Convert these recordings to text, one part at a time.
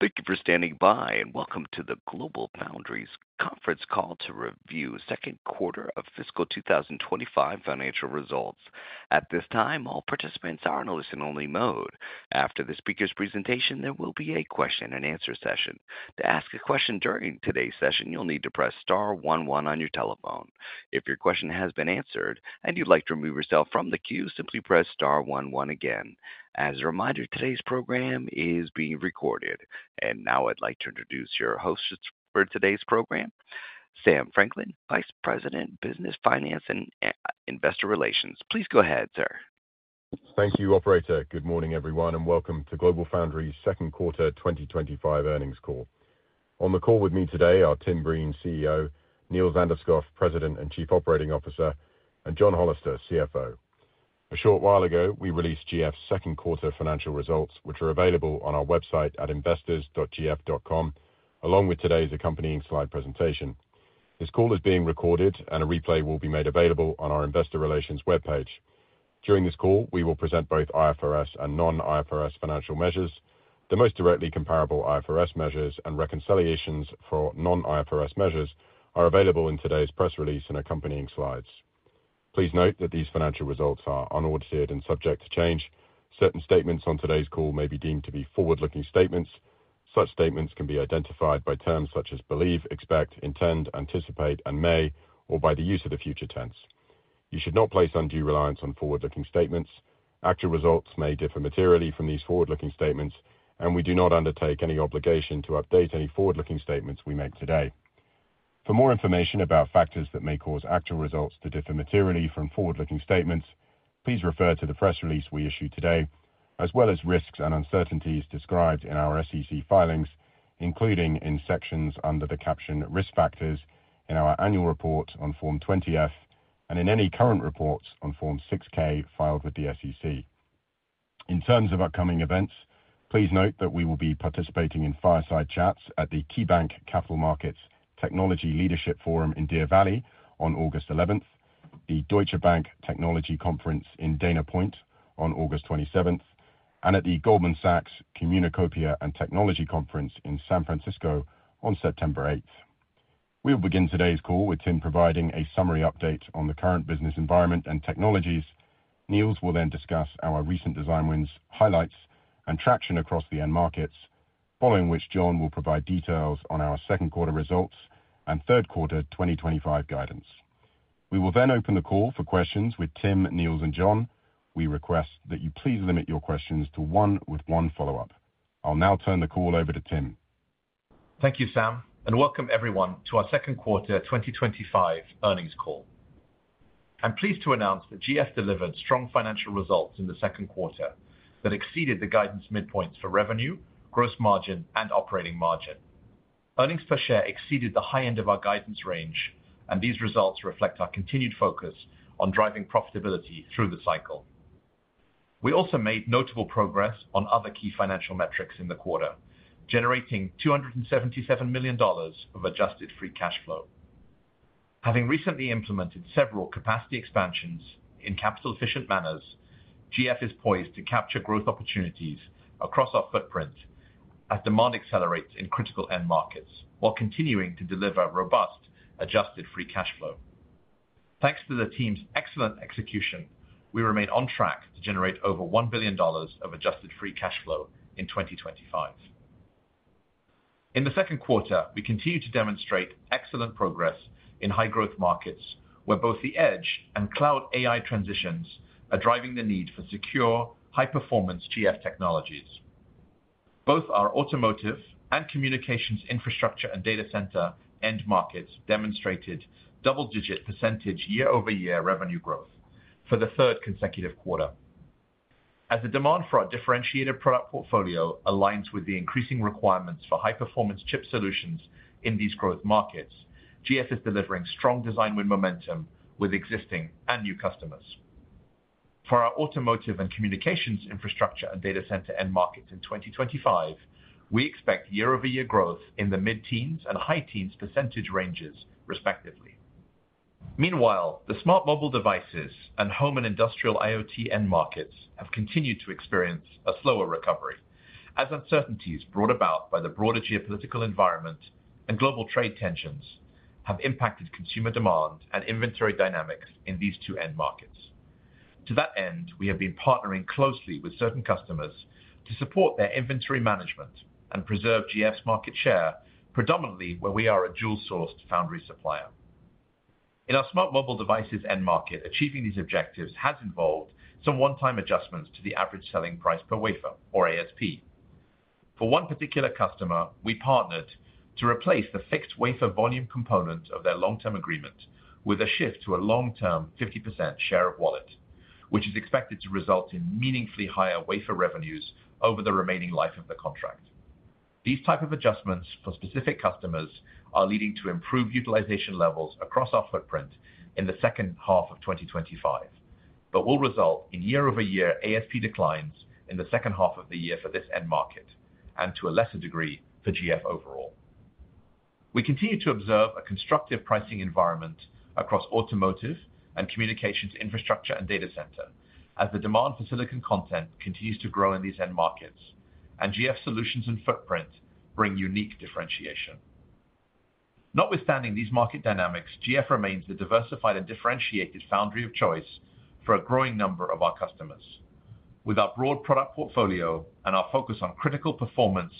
Thank you for standing by and welcome to the GlobalFoundries conference call to review second quarter of fiscal 2025 financial results. At this time, all participants are in a listen-only mode. After the speaker's presentation, there will be a question and answer session. To ask a question during today's session, you'll need to press star one one on your telephone. If your question has been answered and you'd like to remove yourself from the queue, simply press star one one again. As a reminder, today's program is being recorded. Now I'd like to introduce for today's program Sam Franklin, Vice President, Business Finance and Investor Relations. Please go ahead, sir. Thank you, operator. Good morning, everyone, and welcome to GlobalFoundries' second quarter 2025 earnings call. On the call with me today are Tim Breen, CEO, Niels Anderskouv, President and Chief Operating Officer, and John Hollister, CFO. A short while ago, we released GF's second quarter financial results, which are available on our website at investors.gf.com along with today's accompanying slide presentation. This call is being recorded, and a replay will be made available on our Investor Relations webpage. During this call, we will present both IFRS and non-IFRS financial measures. The most directly comparable IFRS measures and reconciliations for non-IFRS measures are available in today's press release and accompanying slides. Please note that these financial results are unaudited and subject to change. Certain statements on today's call may be deemed to be forward-looking statements. Such statements can be identified by terms such as believe, expect, intend, anticipate, and may, or by the use of the future tense. You should not place undue reliance on forward-looking statements. Actual results may differ materially from these forward-looking statements, and we do not undertake any obligation to update any forward-looking statements we make today. For more information about factors that may cause actual results to differ materially from forward-looking statements, please refer to the press release we issue today as well as risks and uncertainties described in our SEC filings, including in sections under the caption Risk Factors in our Annual Report on Form 20-F and in any current reports on Form 6-K filed with the SEC. In terms of upcoming events, please note that we will be participating in fireside chats at the KeyBanc Capital Markets Technology Leadership Forum in Deer Valley on August 11, the Deutsche Bank Technology Conference in Dana Point on August 27, and at the Goldman Sachs Communicopia and Technology Conference in San Francisco on September 8. We will begin today's call with Tim providing a summary update on the current business environment and technologies. Niels will then discuss our recent design wins, highlights, and traction across the end markets, following which John will provide details on our second quarter results and third quarter 2025 guidance. We will then open the call for questions with Tim, Niels, and John. We request that you please limit your questions to one with one follow-up. I'll now turn the call over to Tim. Thank you, Sam, and welcome everyone to our second quarter 2025 earnings call. I'm pleased to announce that GF delivered strong financial results in the second quarter that exceeded the guidance midpoints for revenue, gross margin, and operating margin. Earnings per share exceeded the high end of our guidance range, and these results reflect our continued focus on driving profitability through the cycle. We also made notable progress on other key financial metrics in the quarter, generating $277 million of adjusted free cash flow. Having recently implemented several capacity expansions in capital efficient manners, GF is poised to capture growth opportunities across our footprint as demand accelerates in critical end markets while continuing to deliver robust adjusted free cash flow. Thanks to the team's excellent execution, we remain on track to generate over $1 billion of adjusted free cash flow in 2025. In the second quarter, we continue to demonstrate excellent progress in high growth markets where both the edge and cloud AI transitions are driving the need for secure, high performance GF technologies. Both our automotive and communications infrastructure/data center end markets demonstrated double digit percentage year-over-year revenue growth for the third consecutive quarter as the demand for our differentiated product portfolio aligns with the increasing requirements for high performance chip solutions in these growth markets. GF is delivering strong design win momentum with existing and new customers for our automotive and communications infrastructure/data center end market. In 2025, we expect year-over-year growth in the mid teens and high teens percentage ranges, respectively. Meanwhile, the smart mobile devices and home and industrial IoT end markets have continued to experience a slower recovery as uncertainties brought about by the broader geopolitical environment and global trade tensions have impacted consumer demand and inventory dynamics in these two end markets. To that end, we have been partnering closely with certain customers to support their inventory management and preserve GF's market share, predominantly where we are a dual sourced foundry supplier in our smart mobile devices end market. Achieving these objectives has involved some one time adjustments to the average selling price per wafer, or ASP, for one particular customer. We partnered to replace the fixed wafer volume component of their long-term agreement with a shift to a long-term 50% share of wallet, which is expected to result in meaningfully higher wafer revenues over the remaining life of the contract. These types of adjustments for specific customers are leading to improved utilization levels across our footprint in the second half of 2025, but will result in year-over-year ASP declines in the second half of the year for this end market and, to a lesser degree, for GF overall. We continue to observe a constructive pricing environment across automotive and communications infrastructure/data center as the demand for silicon content continues to grow in these end markets, and GF solutions and footprint bring unique differentiation. Notwithstanding these market dynamics, GF remains the diversified and differentiated foundry of choice for a growing number of our customers. With our broad product portfolio and our focus on critical performance,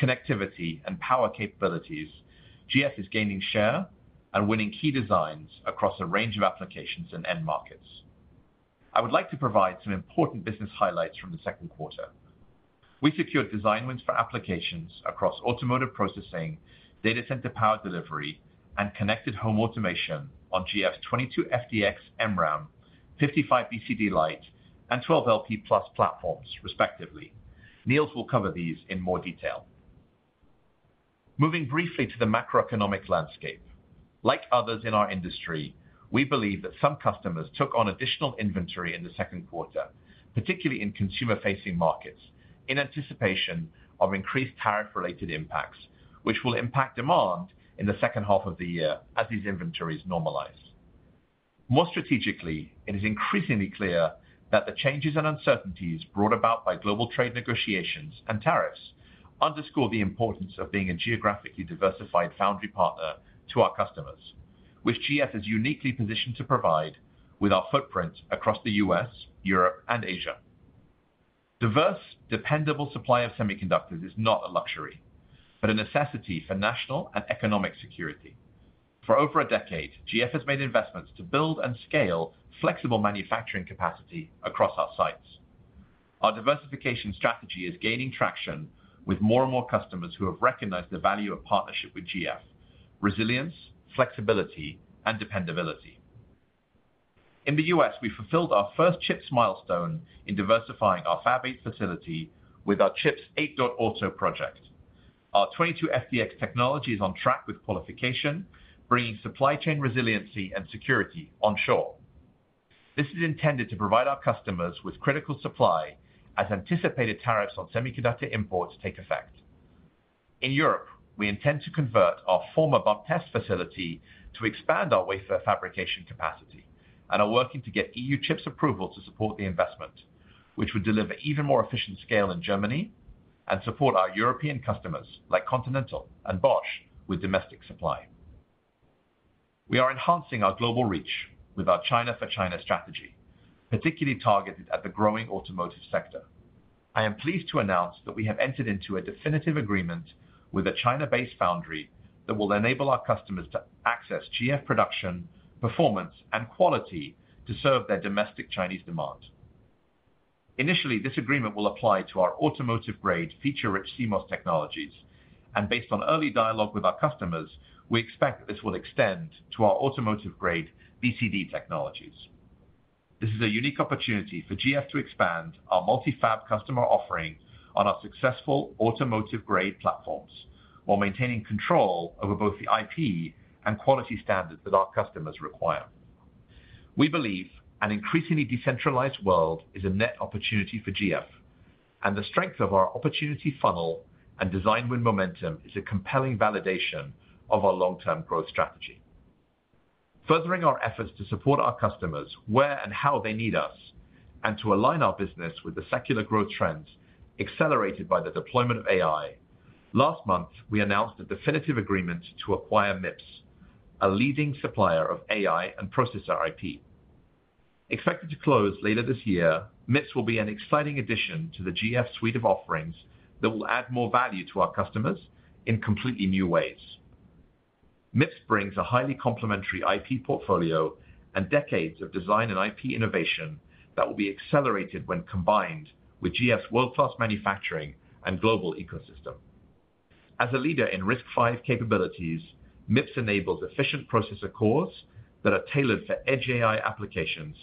connectivity, and power capabilities, GF is gaining share and winning key designs across a range of applications and end markets. I would like to provide some important business highlights from the second quarter. We secured design wins for applications across automotive processing, data center, power delivery, and connected home automation on GF 22FDX, MRAM, 55 BCD Lite, and 12LP platforms, respectively. Niels will cover these in more detail. Moving briefly to the macroeconomic landscape, like others in our industry, we believe that some customers took on additional inventory in the second quarter, particularly in consumer-facing markets, in anticipation of increased tariff-related impacts, which will impact demand in the second half of the year. As these inventories normalize more strategically, it is increasingly clear that the changes and uncertainties brought about by global trade negotiations and tariffs underscore the importance of being a geographically diversified foundry partner to our customers, which GF is uniquely positioned to provide. With our footprint across the U.S., Europe, and Asia, diverse dependable supply of semiconductors is not a luxury but a necessity for national and economic security. For over a decade, GF has made investments to build and scale flexible manufacturing capacity across our sites. Our diversification strategy is gaining traction with more and more customers who have recognized the value of partnership with GF. Resilience, flexibility, and dependability. In the U.S., we fulfilled our first CHIPS milestone in diversifying our Fab 8 facility with our CHIPS 8.0 Auto project. Our 22FDX technology is on track with qualification, bringing supply chain resiliency and security onshore. This is intended to provide our customers with critical supply as anticipated tariffs on semiconductor imports take effect. In Europe, we intend to convert our former BUMP test facility to expand our wafer fabrication capacity and are working to get EU CHIPS approval to support the investment, which would deliver even more efficient scale in Germany and support our European customers like Continental and Bosch with domestic supply. We are enhancing our global reach with our China-for-China strategy, particularly targeted at the growing automotive sector. I am pleased to announce that we have entered into a definitive agreement with a China-based foundry that will enable our customers to access GF production, performance, and quality to serve their domestic Chinese demand. Initially, this agreement will apply to our automotive-grade feature-rich CMOS technologies, and based on early dialogue with our customers, we expect that this will extend to our automotive-grade BCD technologies. This is a unique opportunity for GF to expand our multi-fab customer offering on our successful automotive-grade platforms while maintaining control over both the IP and quality standards that our customers require. We believe an increasingly decentralized world is a net opportunity for GF, and the strength of our opportunity funnel and design win momentum is a compelling validation of our long-term growth strategy, furthering our efforts to support our customers where and how they need us and to align our business with the secular growth trends accelerated by the deployment of AI. Last month, we announced a definitive agreement to acquire MIPS, a leading supplier of AI and processor IP. Expected to close later this year, MIPS will be an exciting addition to the GF suite of offerings that will add more value to our customers and in completely new ways. MIPS brings a highly complementary IP portfolio and decades of design and IP innovation that will be accelerated when combined with GF's world-class manufacturing and global ecosystem. As a leader in RISC-V capabilities, MIPS enables efficient processor cores that are tailored for edge AI applications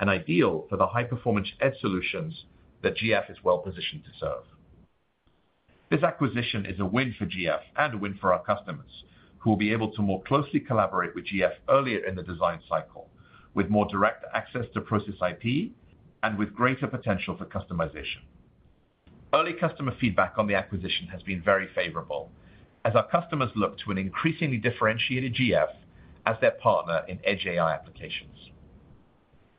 and ideal for the high performance edge solutions that GF is well positioned to serve. This acquisition is a win for GF and a win for our customers who will be able to more closely collaborate with GF earlier in the design cycle with more direct access to process IP and with greater potential for customization. Early customer feedback on the acquisition has been very favorable as our customers look to an increasingly differentiated GF as their partner in edge AI applications.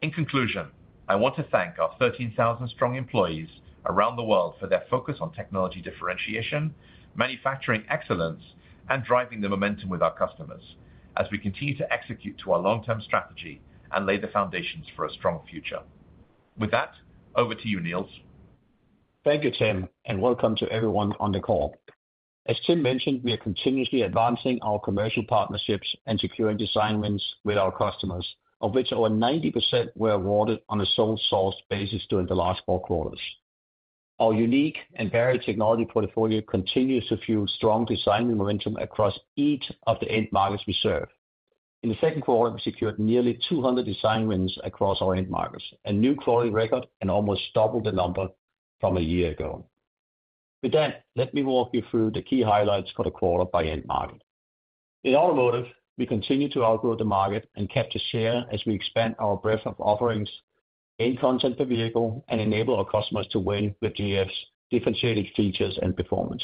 In conclusion, I want to thank our 13,000 strong employees around the world for their focus on technology differentiation, manufacturing excellence, and driving the momentum with our customers as we continue to execute to our long-term strategy and lay the foundations for a strong future. With that, over to you Niels. Thank you, Tim, and welcome to everyone on the call. As Tim mentioned, we are continuously advancing our commercial partnerships and securing design wins with our customers, of which over 90% were awarded on a sole source basis during the last four quarters. Our unique and varied technology portfolio continues to fuel strong design momentum across each of the eight markets we serve. In the second quarter, we secured nearly 200 design wins across all end markets, a new growing record and almost double the number from a year ago. With that, let me walk you through the key highlights for the quarter by end market. In automotive, we continue to outgrow the market and capture share as we expand our breadth of offerings, gain content per vehicle, and enable our customers to win with GF's differentiated features and performance.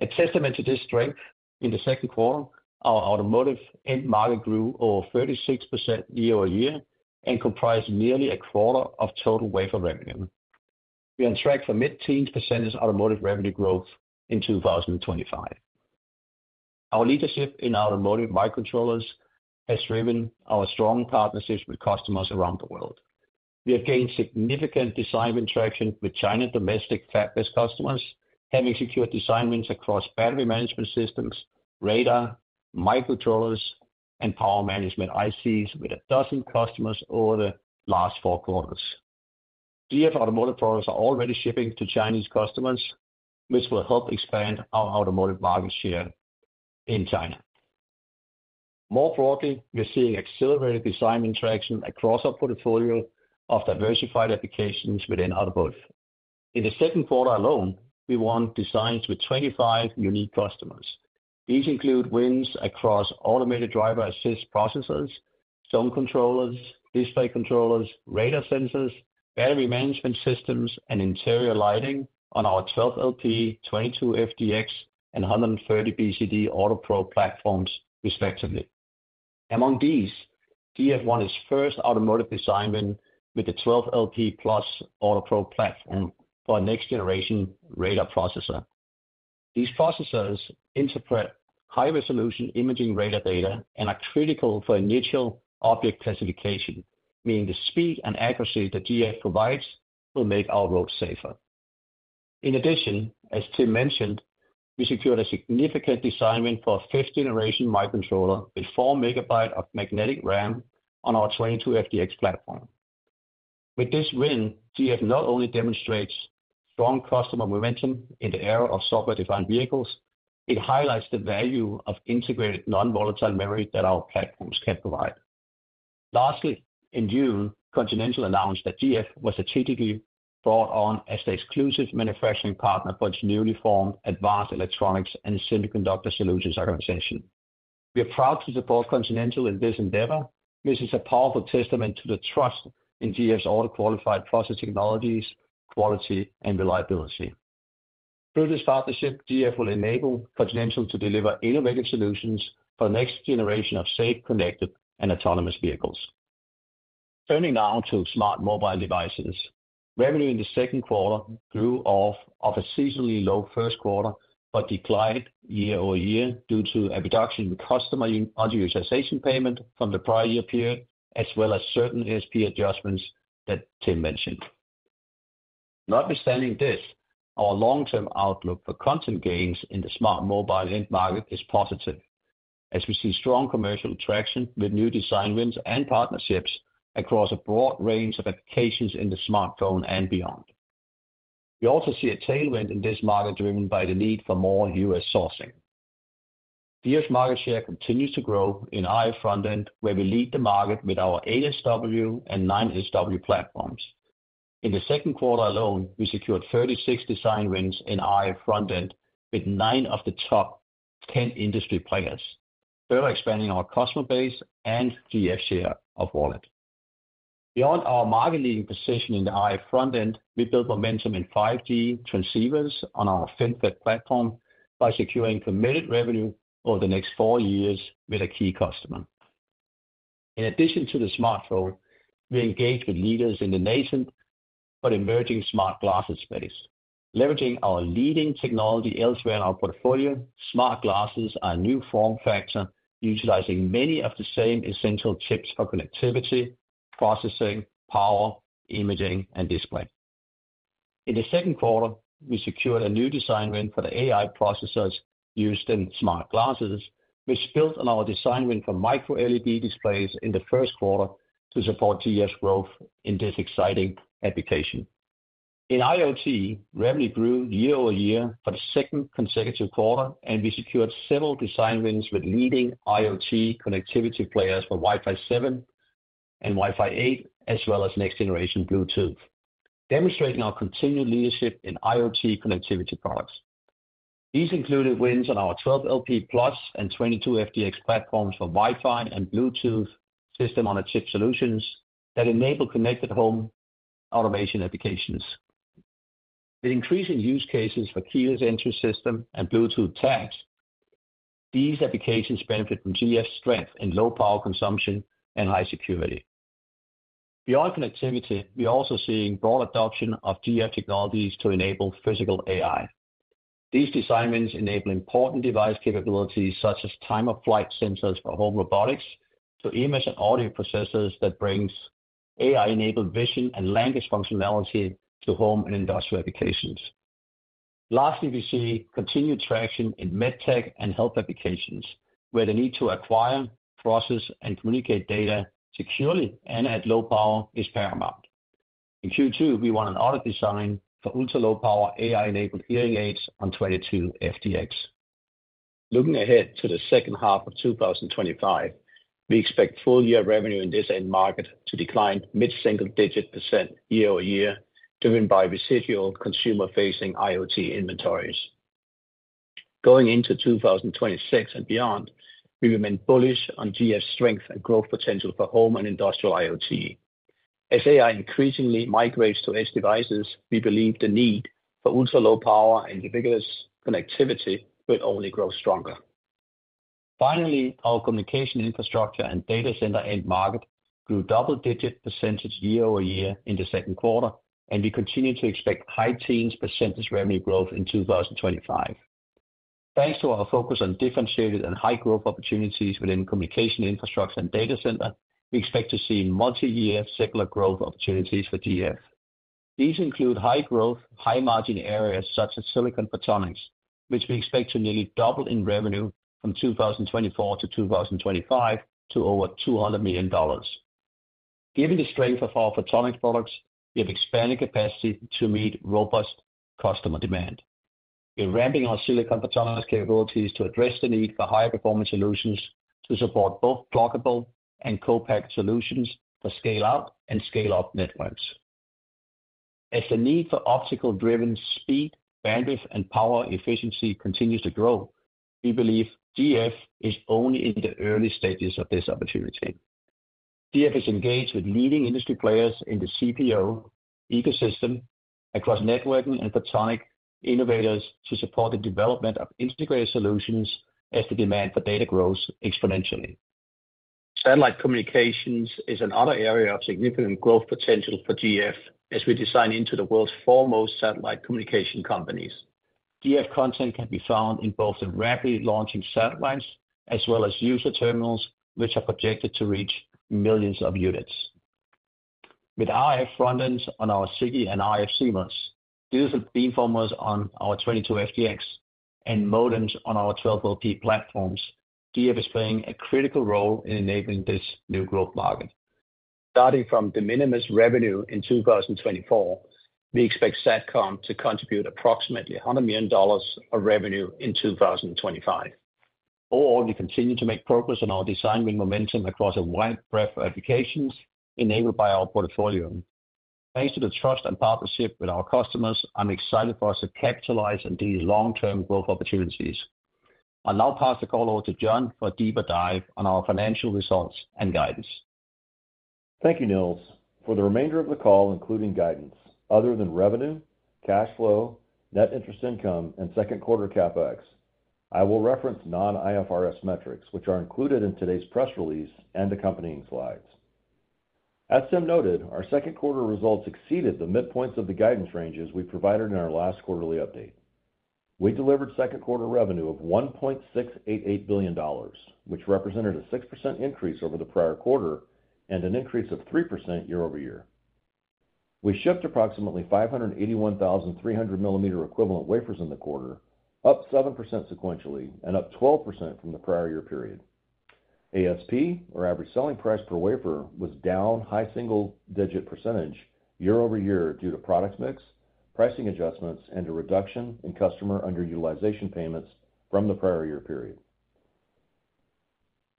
A testament to this strength, in the second quarter our automotive end market grew over 36% year-over-year and comprised nearly a quarter of total wafer revenue. We are on track for mid-teens percentage automotive revenue growth in 2025. Our leadership in automotive microcontrollers has driven our strong partnerships with customers around the world. We have gained significant design win traction with China domestic FATBIS customers, having secured design wins across battery management systems, radar microcontrollers, and power management ICs. With a dozen customers over the last four quarters, GF automotive products are already shipping to Chinese customers, which will help expand our automotive market share in China. More broadly, we're seeing accelerated design interaction across our portfolio of diversified applications within AutoBots. In the second quarter alone, we won designs with 25 unique customers. These include wins across automated driver assist processors, zone controllers, display controllers, radar sensors, battery management systems, and interior lighting on our 12LP, 22FDX, and 130 BCD AutoPro platforms, respectively. Among these, TF1 is the first automotive design win with the 12LP+ AutoPro platform for next generation radar processors. These processors interpret high resolution imaging radar data and are critical for initial object classification, meaning the speed and accuracy that GF provides will make our roads safer. In addition, as Tim mentioned, we secured a significant design win for 5th generation microcontroller with 4 MB of magnetic RAM on our 22FDX platform. With this win, GF not only demonstrates strong customer momentum in the era of software-defined vehicles, it highlights the value of integrated non-volatile memory that our platforms can provide. Lastly, in June, Continental announced that GF was a GTP brought on as the exclusive manufacturing partner for its newly formed Advanced Electronics and Semiconductor Solutions organization. We are proud to support Continental in this endeavor. This is a powerful testament to the trust in GF's auto-qualified process technologies, quality, and reliability. Through this partnership, GF will enable Continental to deliver innovative solutions for the next generation of safe, connected, and autonomous vehicles. Turning now to smart mobile devices, revenue in the second quarter grew off of a seasonally low first quarter but declined year-over-year due to a reduction in customer underutilization payment from the prior year period as well as certain ASP adjustments that Tim mentioned. Notwithstanding this, our long-term outlook for content gains in the smart mobile link market is positive as we see strong commercial traction with new design wins and partnerships across a broad range of applications in the smartphone and beyond. We also see a tailwind in this market driven by the need for more U.S. sourcing. GF' market share continues to grow in IA front end where we lead the market with our ASW and 9SW platforms. In the second quarter alone, we secured 36 design wins in IA front end with nine of the top 10 industry players, further expanding our customer base and GF share of wallet beyond our market-leading position. In the IA front end, we built momentum in 5G transceivers on our FinFET platform by securing committed revenue over the next four years with a key customer. In addition to the smartphone, we engage with leaders in the nascent but emerging smart glasses space, leveraging our leading technology elsewhere in our portfolio. Smart glasses are a new form factor utilizing many of the same essential chips for connectivity, processing, power, imaging, and display. In the second quarter, we secured a new design win for the AI processors used in smart glasses, which built on our design win for micro LED displays in the first quarter to support GF's growth in this exciting application in IoT. Revenue grew year-over-year for the second consecutive quarter, and we secured several design wins with leading IoT connectivity players for Wi-Fi 7 and Wi-Fi 8 as well as next generation Bluetooth, demonstrating our continued leadership in IoT connectivity products. These included wins on our 12LP+ and 22FDX platforms for Wi-Fi and Bluetooth system-on-a-chip solutions that enable connected home automation applications, the increasing use cases for keyless entry systems, and Bluetooth tags. These applications benefit from GF strength in low power consumption and high security. Beyond connectivity, we are also seeing broad adoption of GF technologies to enable physical AI. These design wins enable important device capabilities such as time-of-flight sensors for home robotics to image and audio processors that bring AI-enabled vision and language functionality to home and industrial applications. Lastly, we see continued traction in medtech and health applications where the need to acquire, process, and communicate data securely and at low power is paramount. In Q2, we won an audio design for ultra-low power AI-enabled hearing aids on 22FDX. Looking ahead to the second half of 2025, we expect full year revenue in this end market to decline mid single digit percent year-over-year, driven by residual consumer-facing IoT inventories. Going into 2026 and beyond, we remain bullish on GF strength and growth potential for home and industrial IoT. As AI increasingly migrates to edge devices, we believe the need for ultra-low power and ubiquitous connectivity will only grow stronger. Finally, our communications infrastructure and data center end market grew double digit percent year-over-year in the second quarter, and we continue to expect high teens percent revenue growth in 2025. Thanks to our focus on differentiated and high growth opportunities within communications infrastructure and data center, we expect to see multi-year secular growth opportunities for GF. These include high growth, high margin areas such as silicon photonics, which we expect to nearly double in revenue from 2024 to 2025 to over $200 million. Given the strength of our photonics products, we have expanded capacity to meet robust customer demand. We're ramping our silicon photonics capabilities to address the need for high performance solutions to support both pluggable and co-packaged solutions to scale out and scale up networks. As the need for optical-driven speed, bandwidth, and power efficiency continues to grow, we believe GF is only in the early stages of this opportunity. GF is engaged with leading industry players in the CPO ecosystem across networking and photonic innovators to support the development of integrated solutions as the demand for data grows exponentially. Satellite communications is another area of significant growth potential for GF as we design into the world's foremost satellite communication companies. GF content can be found in both the rapidly launching satellites as well as user terminals, which are projected to reach millions of units with RF front ends on our SiGe and RF CMOS beamformers on our 22FDX and modems on our 12LP platforms. GF is playing a critical role in enabling this new growth margin. Starting from de minimis revenue in 2024, we expect Satcom to contribute approximately $100 million of revenue in 2025 as we continue to make progress on our design win momentum across a wide breadth of applications enabled by our portfolio. Thanks to the trust and partnership with our customers, I'm excited for us to capitalize on these long-term growth opportunities. I'll now pass the call over to John for a deeper dive on our financial results and guidance. Thank you Niels. For the remainder of the call, including guidance other than revenue, cash flow, net interest income, and second quarter CapEx, I will reference non-IFRS metrics which are included in today's press release and accompanying slides. As Tim noted, our second quarter results exceeded the midpoints of the guidance ranges we provided in our last quarterly update. We delivered second quarter revenue of $1.688 billion, which represented a 6% increase over the prior quarter and an increase of 3% year-over-year. We shipped approximately 581,300 mm equivalent wafers in the quarter, up 7% sequentially and up 12% from the prior year period. ASP, or average selling price per wafer, was down high single digit percentage year-over-year due to product mix, pricing adjustments, and a reduction in customer underutilization payments from the prior year period.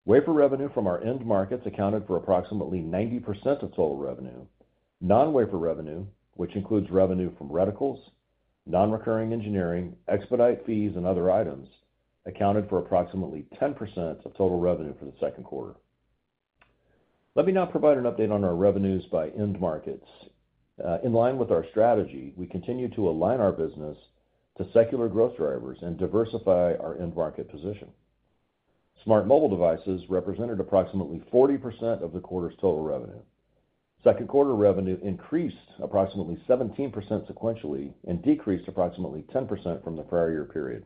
Wafer revenue from our end markets accounted for approximately 90% of total revenue. Non-wafer revenue, which includes revenue from reticles, non-recurring engineering, expedite fees, and other items, accounted for approximately 10% of total revenue for the second quarter. Let me now provide an update on our revenues by end markets. In line with our strategy, we continue to align our business with two secular growth drivers and diversify our end market position. Smart mobile devices represented approximately 40% of the quarter's total revenue. Second quarter revenue increased approximately 17% sequentially and decreased approximately 10% from the prior year period.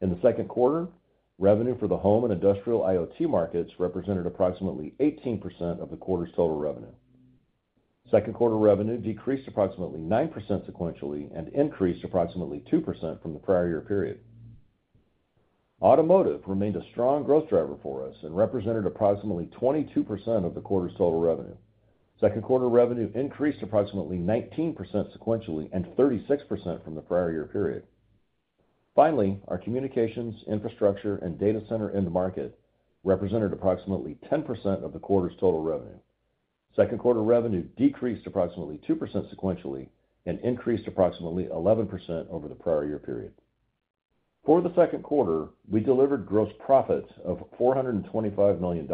In the second quarter, revenue for the home and industrial IoT markets represented approximately 18% of the quarter's total revenue. Second quarter revenue decreased approximately 9% sequentially and increased approximately 2% from the prior year period. Automotive remained a strong growth driver for us and represented approximately 22% of the quarter's total revenue. Second quarter revenue increased approximately 19% sequentially and 36% from the prior year period. Finally, our communications infrastructure and data center end market represented approximately 10% of the quarter's total revenue. Second quarter revenue decreased approximately 2% sequentially and increased approximately 11% over the prior year period. For the second quarter, we delivered gross profits of $425 million,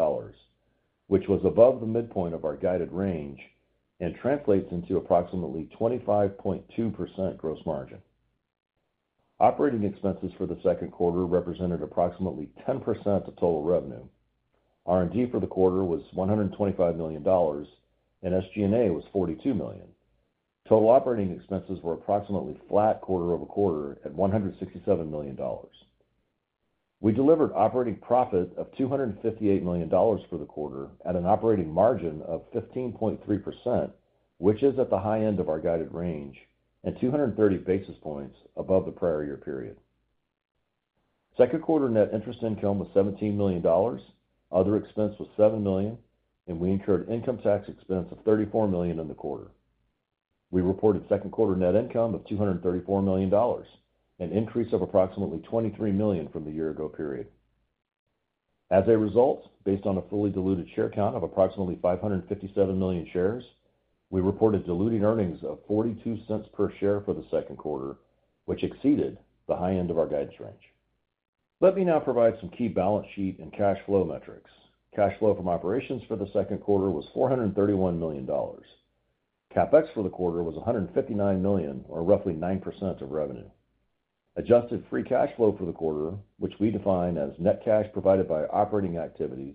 which was above the midpoint of our guided range and translates into approximately 25.2% gross margin. Operating expenses for the second quarter represented approximately 10% of total revenue. R&D for the quarter was $125 million and SG&A was $42 million. Total operating expenses were approximately flat quarter over quarter at $167 million. We delivered operating profit of $258 million for the quarter at an operating margin of 15.3%, which is at the high end of our guided range and 230 basis points above the prior year period. Second quarter net interest income was $17 million. Other expense was $7 million and we incurred income tax expense of $34 million in the quarter. We reported second quarter net income of $234 million, an increase of approximately $23 million from the year ago period. As a result, based on a fully diluted share count of approximately 557 million shares, we reported diluted earnings of $0.42 per share for the second quarter, which exceeded the high end of our guidance range. Let me now provide some key balance sheet and cash flow metrics. Cash flow from operations for the second quarter was $431 million. CapEx for the quarter was $159 million or roughly 9% of revenue. Adjusted free cash flow for the quarter, which we define as net cash provided by operating activities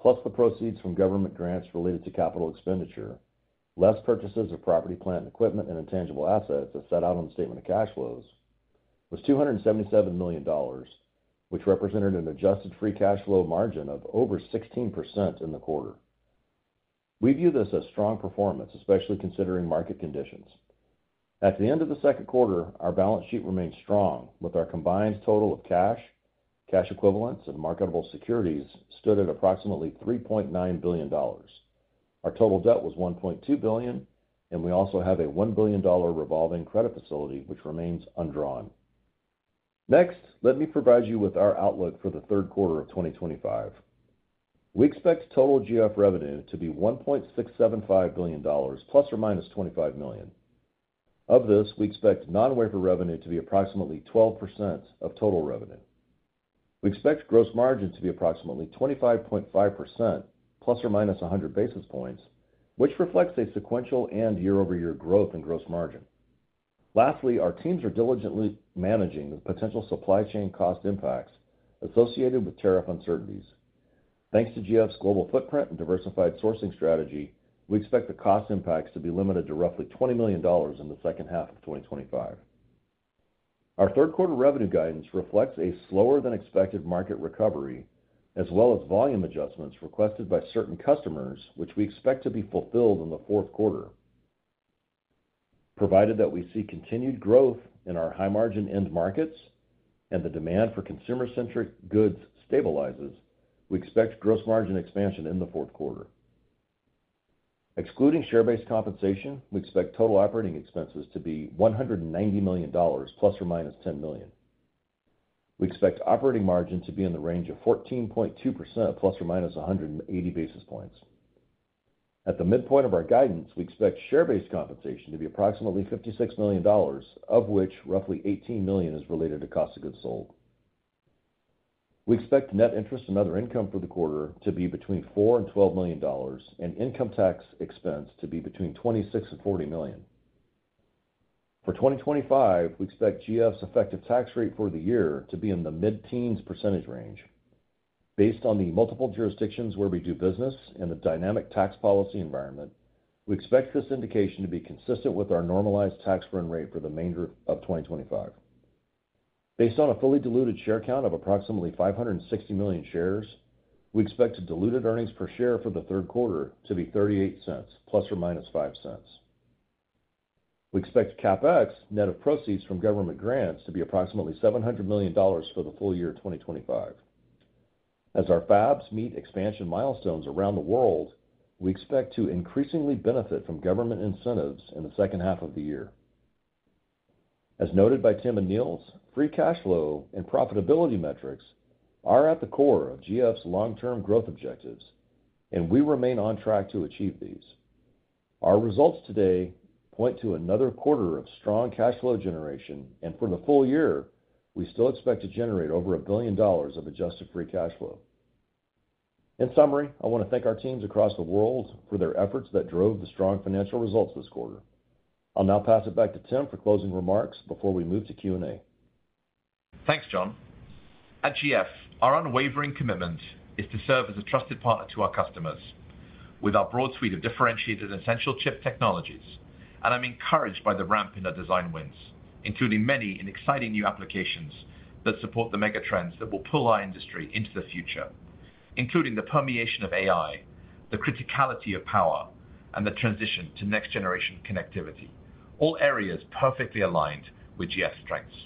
plus the proceeds from government grants related to capital expenditure, less purchases of property, plant and equipment and intangible assets as set out on the statement of cash flows, was $277 million, which represented an adjusted free cash flow margin of over 16% in the quarter. We view this as strong performance, especially considering market conditions. At the end of the second quarter, our balance sheet remains strong with our combined total of cash, cash equivalents and marketable securities stood at approximately $3.9 billion. Our total debt was $1.2 billion and we also have a $1 billion revolving credit facility, which remains undrawn. Next, let me provide you with our outlook for the third quarter of 2025. We expect total GF revenue to be $1.675 billion ± $25 million. Of this, we expect non wafer revenue to be approximately 12% of total revenue. We expect gross margin to be approximately 25.5% ± 100 basis points, which reflects a sequential and year-over-year growth in gross margin. Lastly, our teams are diligently managing the potential supply chain cost impacts associated with tariff uncertainties. Thanks to GF's global footprint and diversified sourcing strategy, we expect the cost impacts to be limited to roughly $20 million in the second half of 2025. Our third quarter revenue guidance reflects a slower than expected market recovery as well as volume adjustments requested by certain customers, which we expect to be fulfilled in the fourth quarter provided that we see continued growth in our high margin end markets and the demand for consumer centric goods stabilizes. We expect gross margin expansion in the fourth quarter excluding share-based compensation. We expect total operating expenses to be $190 million ± $10 million. We expect operating margin to be in the range of 14.2% ± 180 basis points. At the midpoint of our guidance, we expect share-based compensation to be approximately $56 million, of which roughly $18 million is related to cost of goods sold. We expect net interest and other income for the quarter to be between $4 million and $12 million, and income tax expense to be between $26 million and $40 million for 2025. We expect GF's effective tax rate for the year to be in the mid-teens percentage range. Based on the multiple jurisdictions where we do business and the dynamic tax policy environment, we expect this indication to be consistent with our normalized tax run rate for the remainder of 2025. Based on a fully diluted share count of approximately 560 million shares, we expect diluted earnings per share for the third quarter to be $0.38 ± $0.05. We expect CapEx net of proceeds from government grants to be approximately $700 million for the full year 2025. As our FABS meet expansion milestones around the world, we expect to increasingly benefit from government incentives in the second half of the year. As noted by Tim and Niels, free cash flow and profitability metrics are at the core of GF's long-term growth objectives and we remain on track to achieve these. Our results today point to another quarter of strong cash flow generation and for the full year we still expect to generate over $1 billion of adjusted free cash flow. In summary, I want to thank our teams across the world for their efforts that drove the strong financial results this quarter. I'll now pass it back to Tim for closing remarks before we move to Q and A. Thanks John. At GF, our unwavering commitment is to serve as a trusted partner to our customers with our broad suite of differentiated essential chip technologies, and I'm encouraged by the ramp in our design wins, including many in exciting new applications that support the megatrends that will pull our industry into the future, including the permeation of AI, the criticality of power, and the transition to next generation connectivity, all areas perfectly aligned with GF strengths.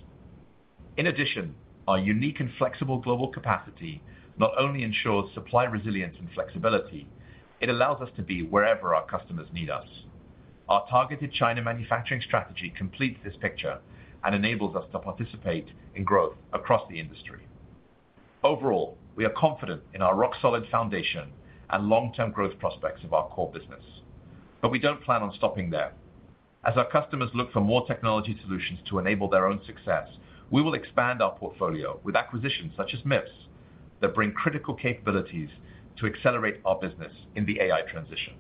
In addition, our unique and flexible global capacity not only ensures supply, resilience, and flexibility, it allows us to be wherever our customers need us. Our targeted China manufacturing strategy completes this picture and enables us to participate in growth across the industry. Overall, we are confident in our rock solid foundation and long term growth prospects of our core business, but we don't plan on stopping there as our customers look for more technology solutions to enable their own success. We will expand our portfolio with acquisitions such as MIPS that bring critical capabilities to accelerate our business in the AI transition.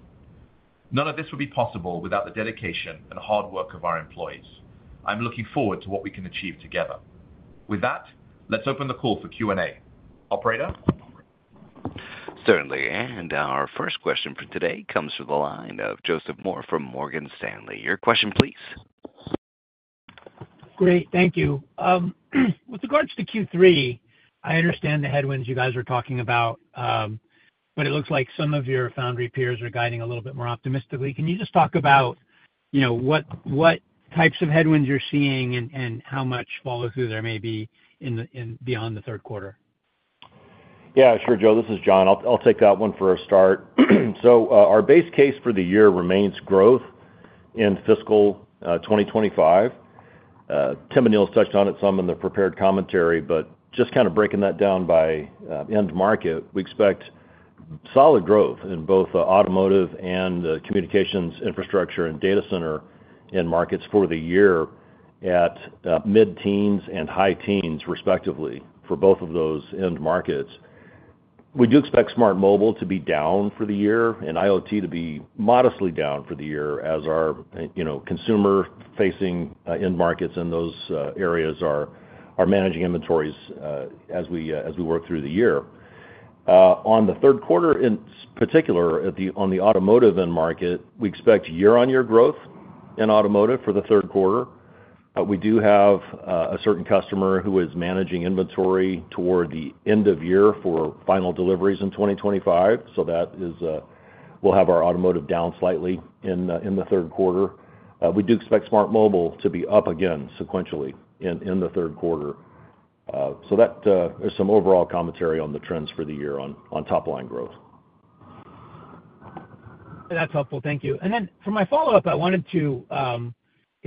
None of this would be possible without the dedication and hard work of our employees. I'm looking forward to what we can achieve together. With that, let's open the call for Q and A, operator. Certainly, our first question for today comes from the line of Joseph Moore from Morgan Stanley, your question please. Great, thank you. With regards to Q3, I understand the headwinds you guys are talking about, but it looks like some of your foundry peers are guiding a little bit more optimistically. Can you just talk about what types of headwinds you're seeing and how much follow through there may be in, in beyond the third quarter? Yeah, sure. Joe, this is John. I'll take that one for a start. Our base case for the year remains growth in fiscal 2025. Tim has touched on it some in the prepared commentary, but just kind of breaking that down by end market. We expect solid growth in both automotive and communications infrastructure/data center end markets for the year at mid teens and high teens, respectively. For both of those end markets, we do expect smart mobile to be down for the year and IoT to be modestly down for the year as our consumer-facing end markets in those areas are managing inventories. As we work through the year, on the third quarter in particular, on the automotive end market, we expect year-on-year growth in automotive for the third quarter. We do have a certain customer who is managing inventory toward the end of year for final deliveries in 2025. That will have our automotive down slightly in the third quarter. We do expect smart mobile to be up again sequentially in the third quarter, so there's some overall commentary on the trends for the year on top line growth. That's helpful, thank you. For my follow up, I wanted to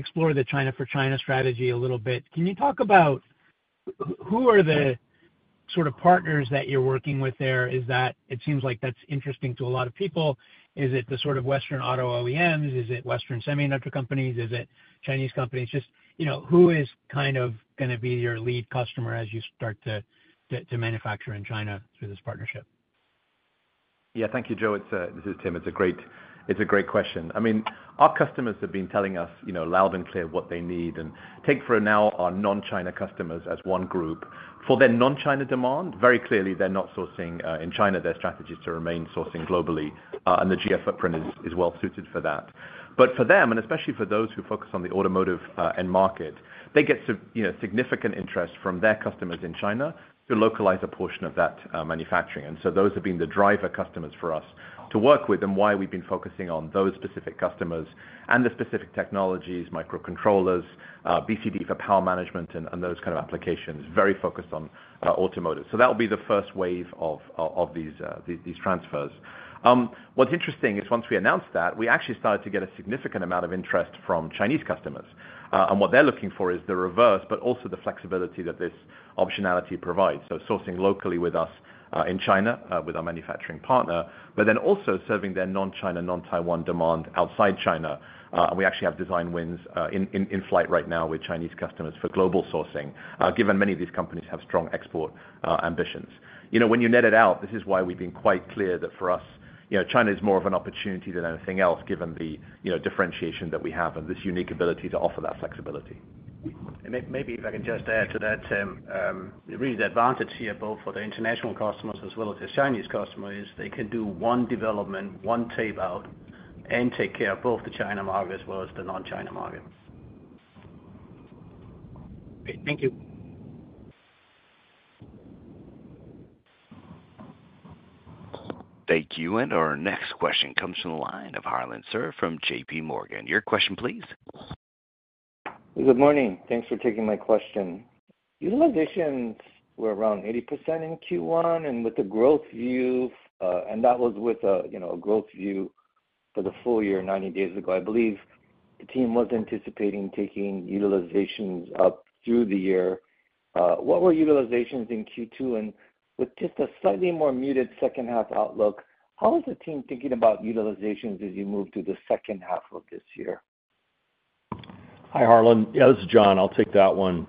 explore the China for China strategy a little bit. Can you talk about who are the sort of partners that you're working with there? It seems like that's interesting to a lot of people. Is it the sort of Western Auto OEMs, is it Western semi electric companies, is it Chinese companies, just, you know, who is kind of going to be your lead customer as you start to manufacture in China through this partnership? Yeah, thank you Joe. It's, this is Tim, it's a great question. I mean our customers have been telling us, you know, loud and clear what they need and take for now our non China customers as one group for their non China demand. Very clearly they're not sourcing in China. Their strategy is to remain sourcing globally and the GF footprint is well suited for that. For them, and especially for those who focus on the automotive end market, they get significant interest from their customers in China to localize a portion of that manufacturing. Those have been the driver customers for us to work with and why we've been focusing on those specific customers and the specific technologies, microcontrollers, BCD for power management and those kind of applications, very focused on automotive. That will be the first wave of these transfers. What's interesting is once we announced that, we actually started to get a significant amount of interest from Chinese customers and what they're looking for is the reverse, but also the flexibility that this optionality provides. Sourcing locally with us in China, with our manufacturing partner, but then also serving their non China, non Taiwan demand outside China, we actually have design wins in flight right now with Chinese customers for global sourcing, given many of these companies have strong export ambitions. When you net it out, this is why we've been quite clear that for us, China is more of an opportunity than anything else, given the differentiation that we have and this unique ability to offer that flexibility. The advantage here, both for the international customers as well as the Chinese customer, is they can do one development, one tape out, and take care of both the China market as well as the non-China market. Thank you. Thank you. Our next question comes from the line of Harlan Sur from JPMorgan, your question please. Good morning. Thanks for taking my question. Utilizations were around 80% in Q1, and that was with a growth view for the full year 90 days ago. I believe the team was anticipating taking utilizations up through the year. What were utilizations in Q2? With just a slightly more muted second half outlook, how is the team thinking about utilizations as you move through the second half of this year? Hi Harlan. Yeah, this is John. I'll take that one.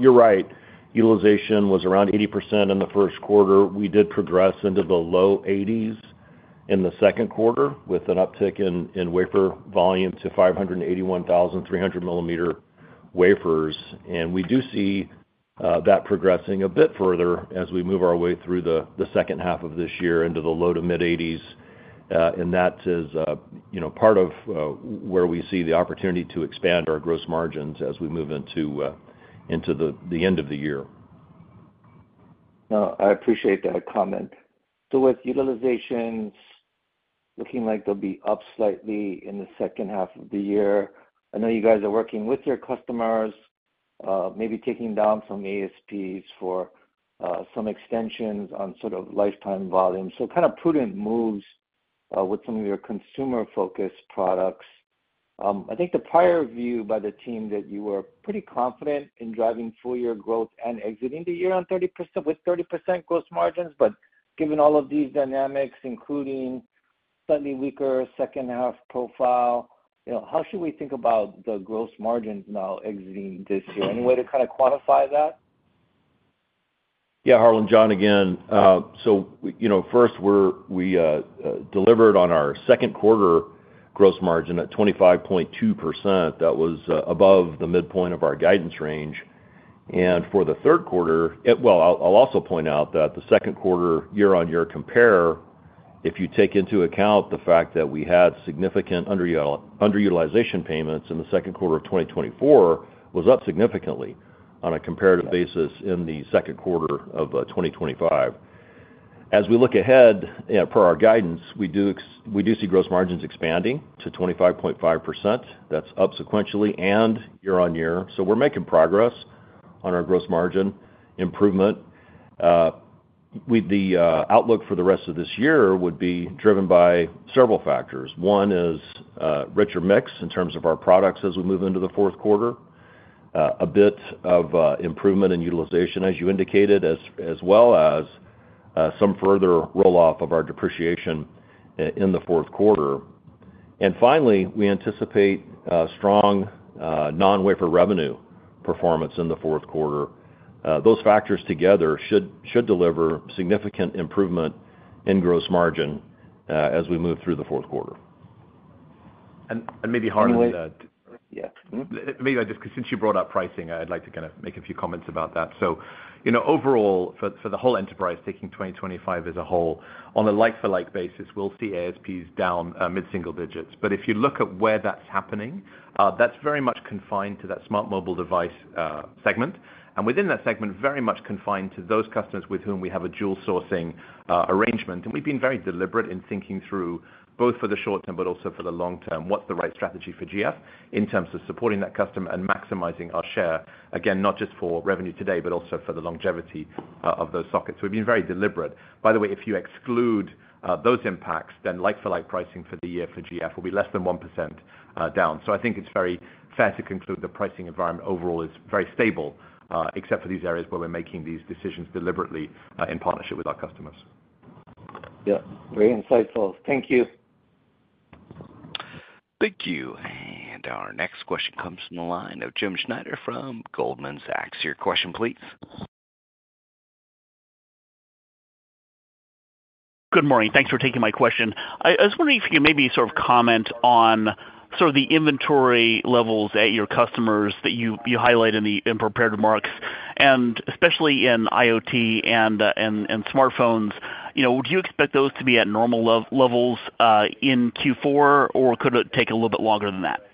You're right, utilization was around 80% in the first quarter. We did progress into the low 80% in the second quarter with an uptick in wafer volume to 581,300 mm wafers. We do see that progressing a bit further as we move our way through the second half of this year into the low to mid-80%. That is part of where we see the opportunity to expand our gross margins as we move into the end of the year. I appreciate that comment. With utilizations looking like they'll be up slightly in the second half of the year, I know you guys are working with your customers, maybe taking down some ASP for some extensions on sort of lifetime volume. Kind of prudent moves with some of your consumer focused products. I think the prior view by the team that you were pretty confident in driving full year growth and exiting the year on 30% with 30% gross margins. Given all of these dynamics, including slightly weaker second half profile, how should we think about the gross margin now exiting this year? Any way to kind of quantify that? Yeah, Harlan. John, again, so you know, first, we delivered on our second quarter gross margin at 25.2%. That was above the midpoint of our guidance range. For the third quarter, I'll also point out that the second quarter year-on-year compare, if you take into account the fact that we had significant underutilization payments in the second quarter of 2024, was up significantly on a comparative basis in the second quarter of 2025. As we look ahead for our guidance, we do see gross margins expanding to 25.5%. That's up sequentially and year on year. We're making progress on our gross margin improvement. The outlook for the rest of this year would be driven by several factors. One is richer mix in terms of our products as we move into the fourth quarter, a bit of improvement in utilization as you indicated, as well as some further roll off of our depreciation in the fourth quarter. Finally, we anticipate strong non wafer revenue performance in the fourth quarter. Those factors together should deliver significant improvement in gross margin as we move through the fourth quarter. Maybe Harlan. Yes. Maybe since you brought up pricing, I'd like to make a few comments about that. Overall, for the whole enterprise, taking 2025 as a whole on a like-for-like basis, we'll see ASPs down mid single digits. If you look at where that's happening, that's very much confined to that smart mobile dev segment, and within that segment, very much confined to those customers with whom we have a dual sourcing arrangement. We've been very deliberate in thinking through both for the short term and also for the long term. What's the right strategy for GF in terms of supporting that customer and maximizing our share, not just for revenue today, but also for the longevity of those sockets. We've been very deliberate, by the way. If you exclude those impacts, then like-for-like pricing for the year for GF will be less than 1% down. I think it's very fair to conclude the pricing environment overall is very stable except for these areas where we're making these decisions deliberately in partnership with our customers. Yeah, very insightful. Thank you. Thank you. Our next question comes from the line of Jim Schneider from Goldman Sachs, your question please. Good morning. Thanks for taking my question. I was wondering if you maybe comment on the inventory levels at your customers that you highlighted in the prepared remarks, especially in IoT and smartphones. Do you expect those to be at normal levels in Q4, or could it take a little bit longer than that?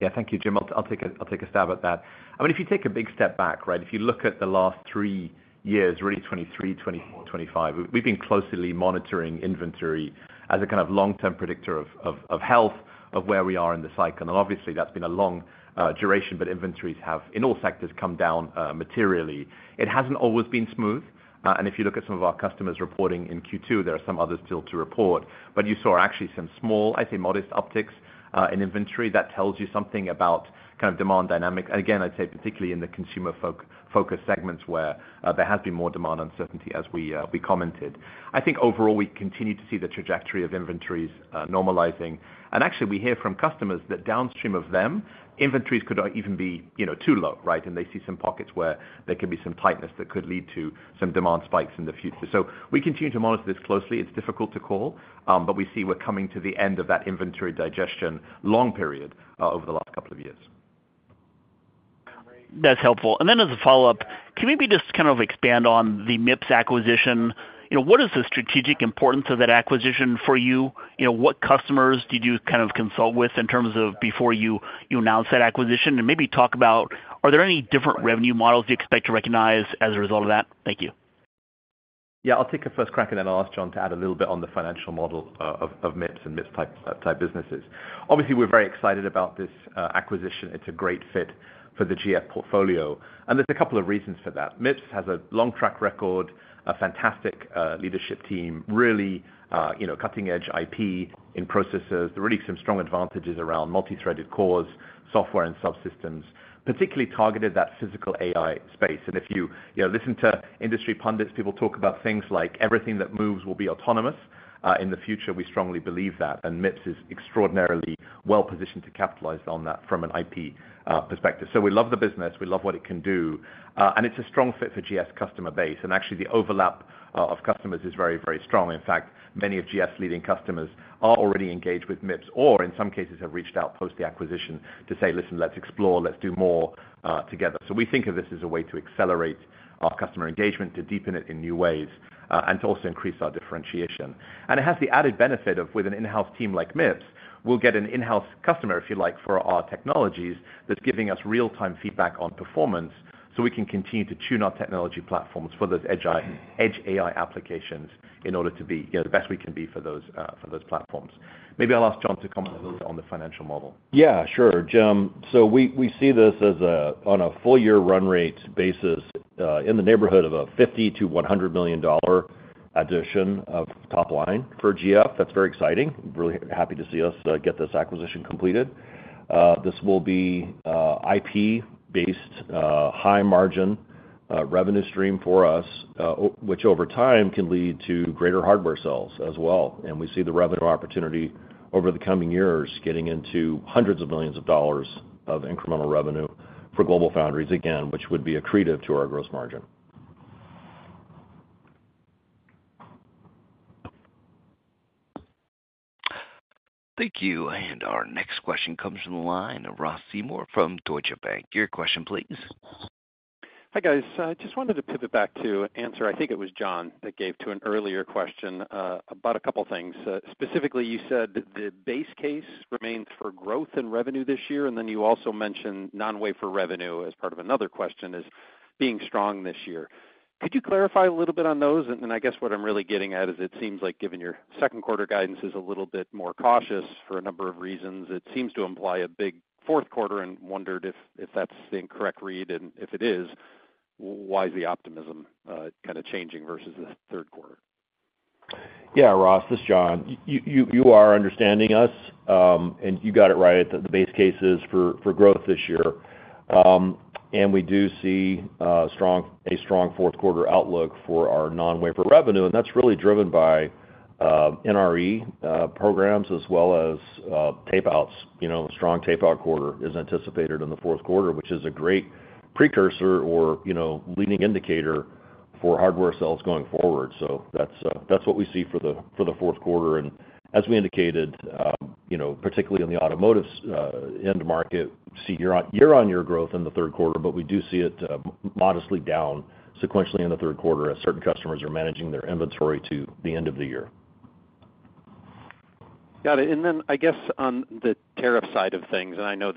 Yeah, thank you, Jim. I'll take a stab at that. If you take a big step back. If you look at the last three. Years, really 2023, 2020, 2025, we've been closely monitoring inventory as a kind of long-term predictor of health, of where we are in the cycle. Obviously, that's been a long time duration. Inventories have in all sectors come down materially. It hasn't always been smooth. If you look at some of our customers reporting in Q2, there are some others still to report, but you saw actually some small, I say modest upticks in inventory. That tells you something about kind of demand dynamic. I'd say particularly in the consumer-focused segments where there has been more demand uncertainty as we commented. I think overall we continue to see the trajectory of inventories normalizing, and actually we hear from customers that downstream of them inventories could even be too low and they see some pockets where there can be some tightness that could lead to some demand spikes in the future. We continue to monitor this closely. It's difficult to call, but we see we're coming to the end of that inventory digestion. Long period over the last couple of years. That's helpful. As a follow up, can you maybe just expand on the MIPS acquisition? What is the strategic importance of that acquisition for you? What customers did you consult with in terms of before you announced that acquisition? Maybe talk about are there any different revenue models you expect to recognize as a result of that? Thank you. Yeah, I'll take a first crack and then I'll ask John to add a little bit on the financial model of MIPS and MIPS type businesses. Obviously we're very excited about this acquisition. It's a great fit for the GF portfolio and there's a couple of reasons for that. MIPS has a long track record, a fantastic leadership team, really cutting edge IP in processors. There are really some strong advantages around multi-threaded cores, software, and subsystems, particularly targeted at that physical AI space. If you listen to industry pundits, people talk about things like everything that moves will be autonomous in the future. We strongly believe that and MIPS is extraordinarily well positioned to capitalize on that from an IP perspective. We love the business, we love what it can do, and it's a strong fit for GF's customer base. Actually, the overlap of customers is very, very strong. In fact, many of GF's leading customers are already engaged with MIPS or in some cases have reached out post the acquisition to say, listen, let's explore, let's do more. We think of this as a way to accelerate our customer engagement, to deepen it in new ways, and to also increase our differentiation. It has the added benefit of, with an in-house team like MIPS, we'll get an in-house customer, if you like, for our technologies that's giving us real-time feedback on performance so we can continue to tune our technology platforms for those edge AI applications in order to be the best we can be for those platforms. Maybe I'll ask John to comment on the financial model. Yeah, sure Jim. We see this as, on a full year run rate basis, in the neighborhood of a $50 million-$100 million addition of top line for GF. That's very exciting. Really happy to see us get this acquisition completed. This will be IP-based, high margin revenue stream for us, which over time can lead to greater hardware sales as well. We see the revenue opportunity over the coming years getting into hundreds of millions of dollars of incremental revenue for GF, again, which would be accretive to our gross margin. Thank you. Our next question comes from the line of Ross Seymore from Deutsche Bank. Your question please. Hi guys, I just wanted to pivot back to an answer. I think it was John that gave to an earlier question about a couple things. Specifically, you said the base case REM growth in revenue this year. You also mentioned non-wafer revenue as part of another question as being strong this year. Could you clarify a little bit on those? I guess what I'm really getting at is it seems like given your second quarter guidance is a little bit more cautious for a number of reasons. It seems to imply a big fourth quarter and wondered if that's the incorrect read and if it is, why is the optimism kind of changing versus the third quarter. Yeah Ross, this is John, you are understanding us and you got it right. The base case is for growth this year and we do see a strong fourth quarter outlook for our non-wafer revenue and that's really driven by NRE programs as well as tape outs. A strong tape out quarter is anticipated in the fourth quarter, which is a great precursor or leading indicator for hardware sales going forward. That's what we see for the fourth quarter and as we indicated, particularly in the automotive end market, see year-on-year growth in the third quarter, but we do see it modestly down sequentially in the third quarter as certain customers are managing their inventory to the end of the year. Got it. I guess on the tariff side of things, and I know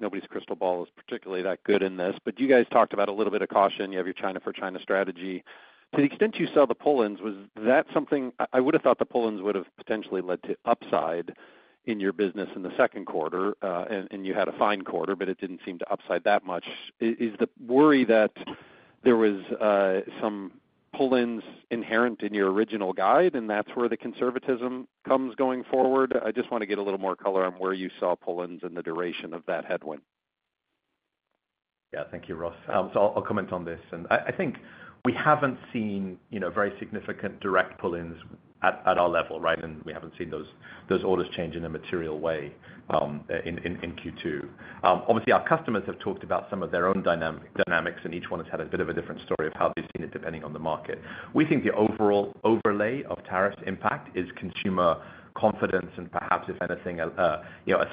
nobody's crystal ball is particularly that good in this, but you guys talked about a little bit of caution. You have your China for China strategy. To the extent you sell the pull-ins, was that something I would have thought? The pull-ins would have potentially led to upside in your business in the second quarter, and you had a fine quarter, but it didn't seem to upside that much. Is the worry that there was some pull-ins inherent in your original guide and that's where the conservatism comes going forward? I just want to get a little more color on where you saw pull ins and the duration of that headwind. Yeah, thank you, Ross. I'll comment on this. I think we haven't seen very significant direct pull-ins at our level. We haven't seen those orders change in a material way in Q2. Obviously, our customers have talked about some of their own dynamics, and each one has had a bit of a different story of how they've seen it depending on the market. We think the overall overlay of tariffs impact is consumer confidence, and perhaps if anything, a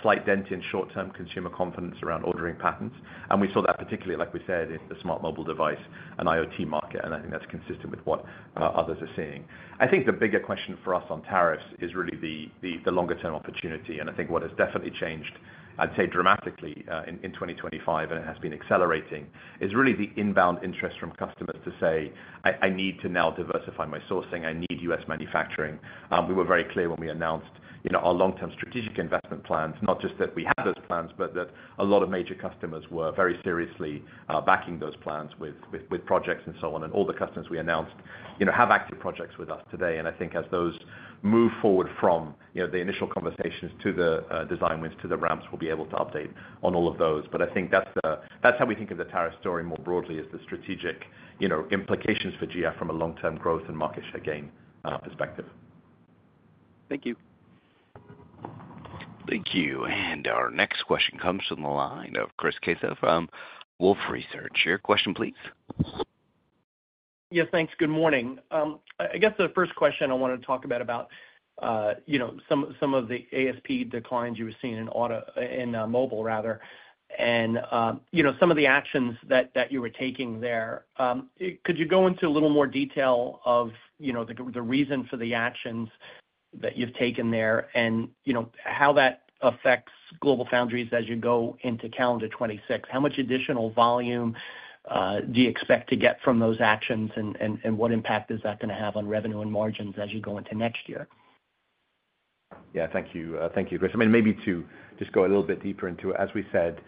slight dent in short-term consumer confidence around ordering patterns. We saw that particularly, like we said, in the smart mobile, mobile device, and IoT market. I think that's consistent with what others are seeing. The bigger question for us on tariffs is really the longer-term opportunity. What has definitely changed, I'd say dramatically in 2025, and it has been accelerating, is really the inbound interest from customers to say, I need to now diversify my sourcing, I need U.S. manufacturing. We were very clear when we announced our long-term strategic investment plans, not just that we had those plans, but that a lot of major customers were very seriously backing those plans with projects and so on. All the customers we announced have active projects with us today. As those move forward from the initial conversations to the design wins to the ramps, we'll be able to update on all of those. That's how we think of the tariff story more broadly: the strategic implications for GF from a long-term growth and market share gain perspective. Thank you. Thank you. Our next question comes from the line of Chris Caso from Wolfe Research. Your question please. Yeah, thanks. Good morning. I guess the first question I want to talk about, you know, some of the ASP declines you were seeing in mobile rather and you know, some of the actions that you were taking there. Could you go into a little more detail of, you know, the reason for the actions that you've taken there and you know, how that affects GlobalFoundries as you go into calendar 2026, how much additional volume do you expect to get from and what impact is that going to have on revenue and margins as you go into next year? Yeah, thank you. Thank you, Chris. Maybe to just go a little bit deeper into it. As we said,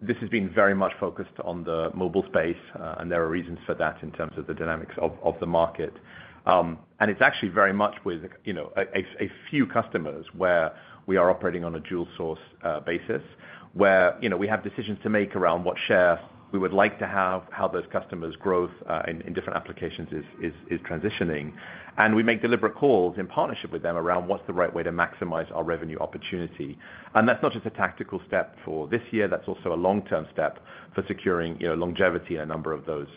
this has been very much focused on the mobile space and there are reasons for that in terms of the dynamics of the market and it's actually very much with a few customers where we are operating on a dual source basis where we have decisions to make around what shares we would like to have, how those customers' growth in different applications is transitioning, and we make deliberate calls in partnership with them around what's the right way to maximize our revenue opportunity. That's not just a tactical step for this year, that's also a long-term step for securing longevity in a number of those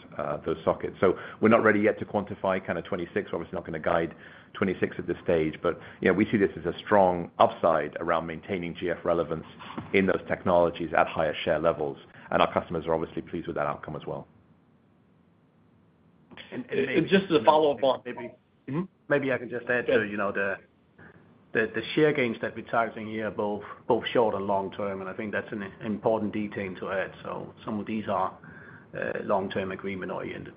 sockets. We're not ready yet to quantify 2026, obviously not going to guide 2026 at this stage, but we see this as a strong upside around maintaining GF relevance in those technologies at higher share levels, and our customers are obviously pleased with that outcome as well. As a follow up, Maybe I can just add to the share gains that we're targeting here, both short and long term, and I think that's an important detail to add. Some of these are long-term agreement oriented.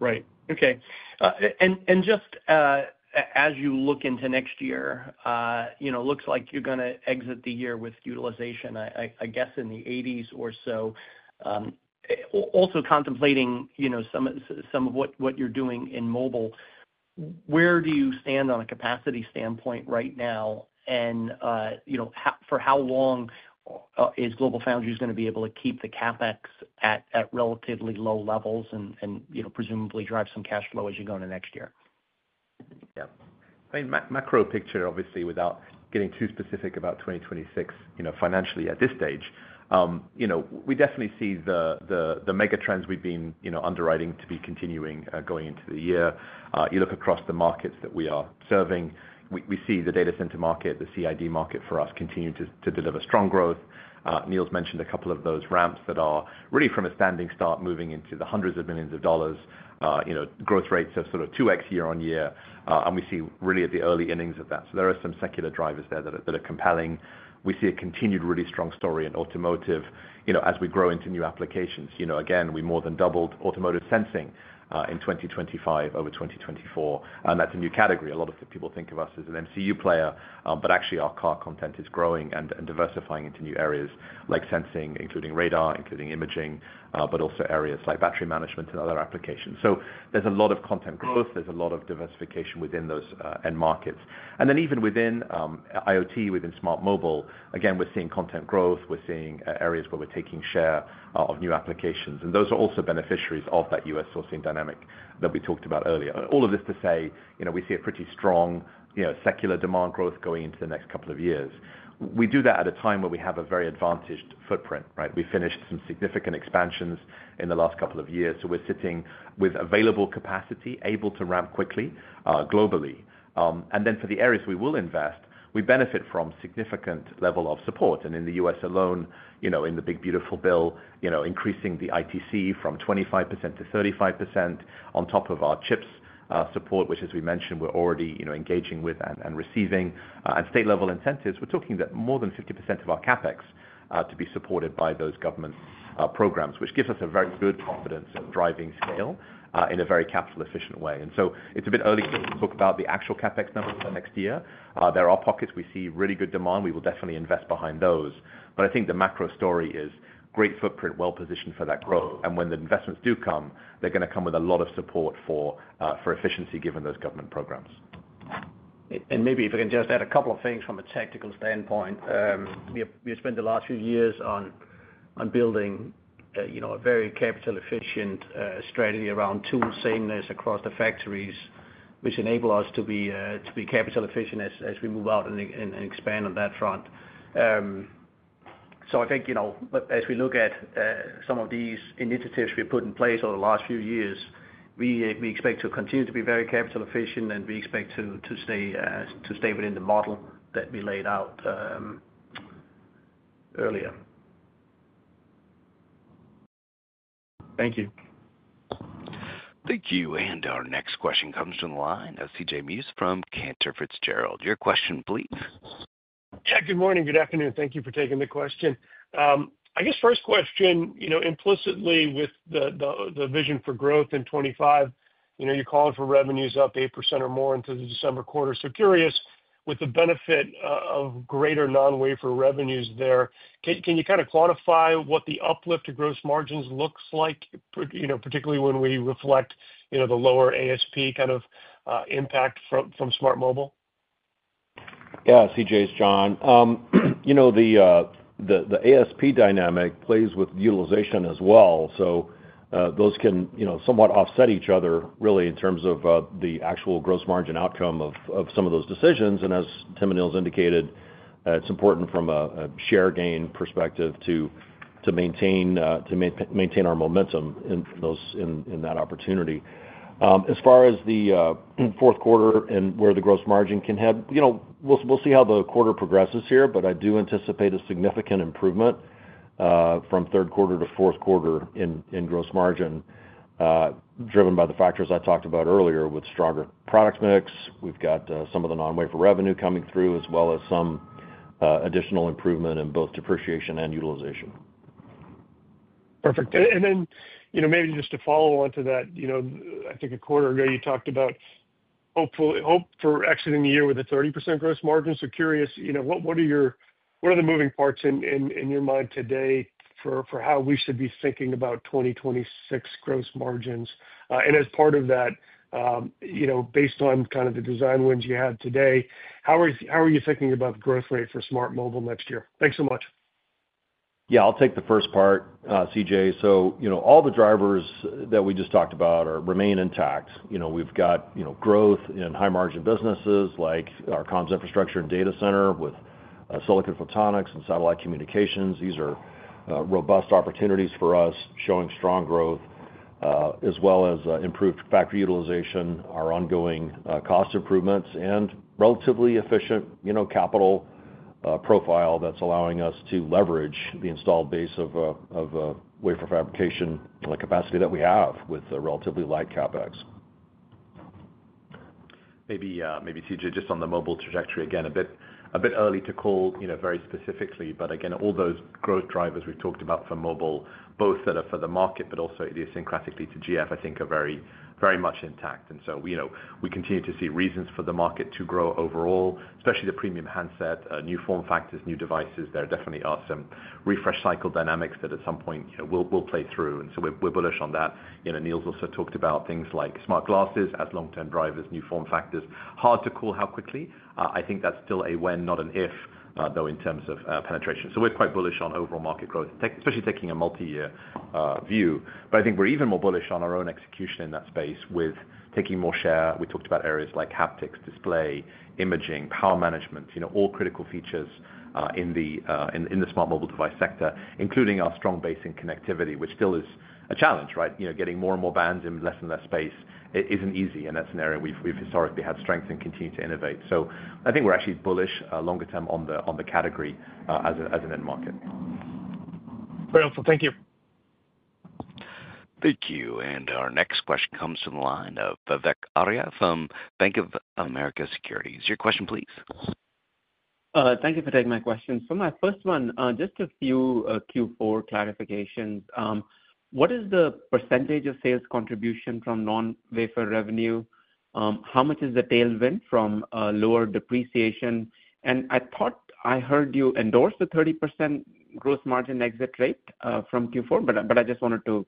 Right. Okay. Just as you look into next year, it looks like you're going to exit the year with utilization, I guess, in the 80s or so. Also contemplating some of what you're doing in mobile, where do you stand on a capacity standpoint right now, and for how long is GlobalFoundries going to be able to keep the CapEx at relatively low levels and presumably drive some cash flow as you go into next year? Yeah, macro picture, obviously without getting too specific about 2026 financially at this stage, we definitely see the megatrends we've been underwriting to be continuing going into the year. You look across the markets that we are serving, we see the data center market, the communications infrastructure/data center market for us continue to deliver strong growth. Niels mentioned a couple of those ramps that are really from a standing start moving into the hundreds of millions of dollars, growth rates of sort of 2x year on year. We see really at the early innings of that. There are some secular drivers there that are compelling. We see a continued really strong story in automotive, as we grow into new applications. We more than doubled automotive sensing in 2025 over 2024 and that's a new category. A lot of people think of us as an automotive microcontrollers player, but actually our car content is growing and diversifying into new areas like sensing, including radar, including imaging, but also areas like battery management and other applications. There's a lot of content growth, there's a lot of diversification within those end markets and then even within IoT within smart mobile, we're seeing content growth, we're seeing areas where we're taking share of new applications and those are also beneficiaries of that U.S. sourcing dynamic that we talked about earlier. All of this to say, we see a pretty strong secular demand growth going into the next couple of years. We do that at a time where we have a very advantaged footprint. We finished some significant expansions in the last couple of years. We're sitting with available capacity, able to ramp quickly globally. For the areas we will. We benefit from significant level of support. In the U.S. alone in the big beautiful bill, increasing the ITC from 25%-35% on top of our CHIPS Act support, which as we mentioned we're already engaging with and receiving, and state level incentives, we're talking more than 50% of our CapEx to be supported by those government programs, which gives us very good confidence driving scale in a very capital efficient way. It's a bit early to talk about the actual CapEx number next year. There are pockets, we see really good demand, we will definitely invest behind those. I think the macro story is great. Footprint well positioned for that growth and when the investments do come, they're going to come with a lot of support for efficiency given those government programs. Maybe if I can just add a couple of things from a tactical standpoint, we have spent the last few years on building, you know, a very capital efficient strategy around tool sameness across the factories, which enable us to be capital efficient as we move out and expand on that front. I think, you know, as we look at some of these initiatives we put in place over the last few years, we expect to continue to be very capital efficient and we expect to stay within the model that we laid out earlier. Thank you. Thank you. Our next question comes to the line of CJ Muse from Cantor Fitzgerald. Your question please. Good morning. Good afternoon. Thank you for taking the question. I guess first question, you know, implicitly with the vision for growth in 2025, you know, you call for revenues up 8% or more into the December quarter. Curious, with the benefit of greater non-wafer revenues there, can you kind of quantify what the uplift to gross margins looks like? Particularly when we reflect, you know, the lower ASP kind of impact from smart mobile? Yeah, CJ, it's John. You know, the ASP dynamic plays with utilization as well. Those can, you know, somewhat offset each other really in terms of the actual gross margin outcome of some of those decisions. As Tim and Niels indicated, it's important from a share gain perspective to maintain our momentum in that opportunity as far as the fourth quarter and where the gross margin can head. We'll see how the quarter progresses here. I do anticipate a significant improvement from third quarter to fourth quarter in gross margin driven by the factors I talked about earlier. With stronger product mix, we've got some of the non wafer revenue coming through as well as some additional improvement in both depreciation and utilization. Perfect. Maybe just to follow on to that, I think a quarter ago you talked about hopefully exiting the year with a 30% gross margin. Curious, what are the moving parts in your mind today for how we should be thinking about 2026 gross margins? As part of that, based on kind of the design wins you had today, how are you thinking about the growth rate for smart Mobile next year? Thanks so much. Yeah, I'll take the first part. CJ, so you know, all the drivers that we just talked about remain intact. We've got growth in high margin businesses like our communications infrastructure and data center with silicon photonics and satellite communications. These are robust opportunities for us showing strong growth as well as improved factory utilization, our ongoing cost improvements, and relatively efficient capital profile that's allowing us to leverage the installed base of wafer fabrication capacity that we have with relatively light CapEx. Maybe, maybe CJ, just on the mobile trajectory. Again, a bit early to call very specifically, but all those growth drivers we've talked about for mobile, both that are for the market, but also idiosyncratically to GF, I think are very much intact. We continue to see reasons for the market to grow overall, especially the premium handset, new form factors, new devices. There definitely are some refresh cycle dynamics that at some point will play through, and we're bullish on that. Niels also talked about things like smart glasses as long-term drivers, new form factors, hard to call how quickly. I think that's still a when, not an if, though, in terms of penetration. We're quite bullish on overall market growth, especially taking a multi-year view. I think we're even more bullish on our own execution in that space with taking more share. We talked about areas like haptics, display, imaging, power management, all critical features in the smart mobile device sector, including our strong base in connectivity, which still is a challenge. Getting more and more bands in less and less space isn't easy, and that's an area we've historically had strength and continue to innovate. I think we're actually bullish longer term on the category as an end market. Very helpful, thank you. Thank you. Our next question comes from the line of Vivek Arya from Bank of America Securities. Your question please. Thank you for taking my question. My first one, just a few Q4 clarifications. What is the percentage of sales contribution from non wafer revenue? How much is the tailwind from lower depreciation? I thought I heard you endorse the 30% gross margin exit rate from Q4, but I just wanted to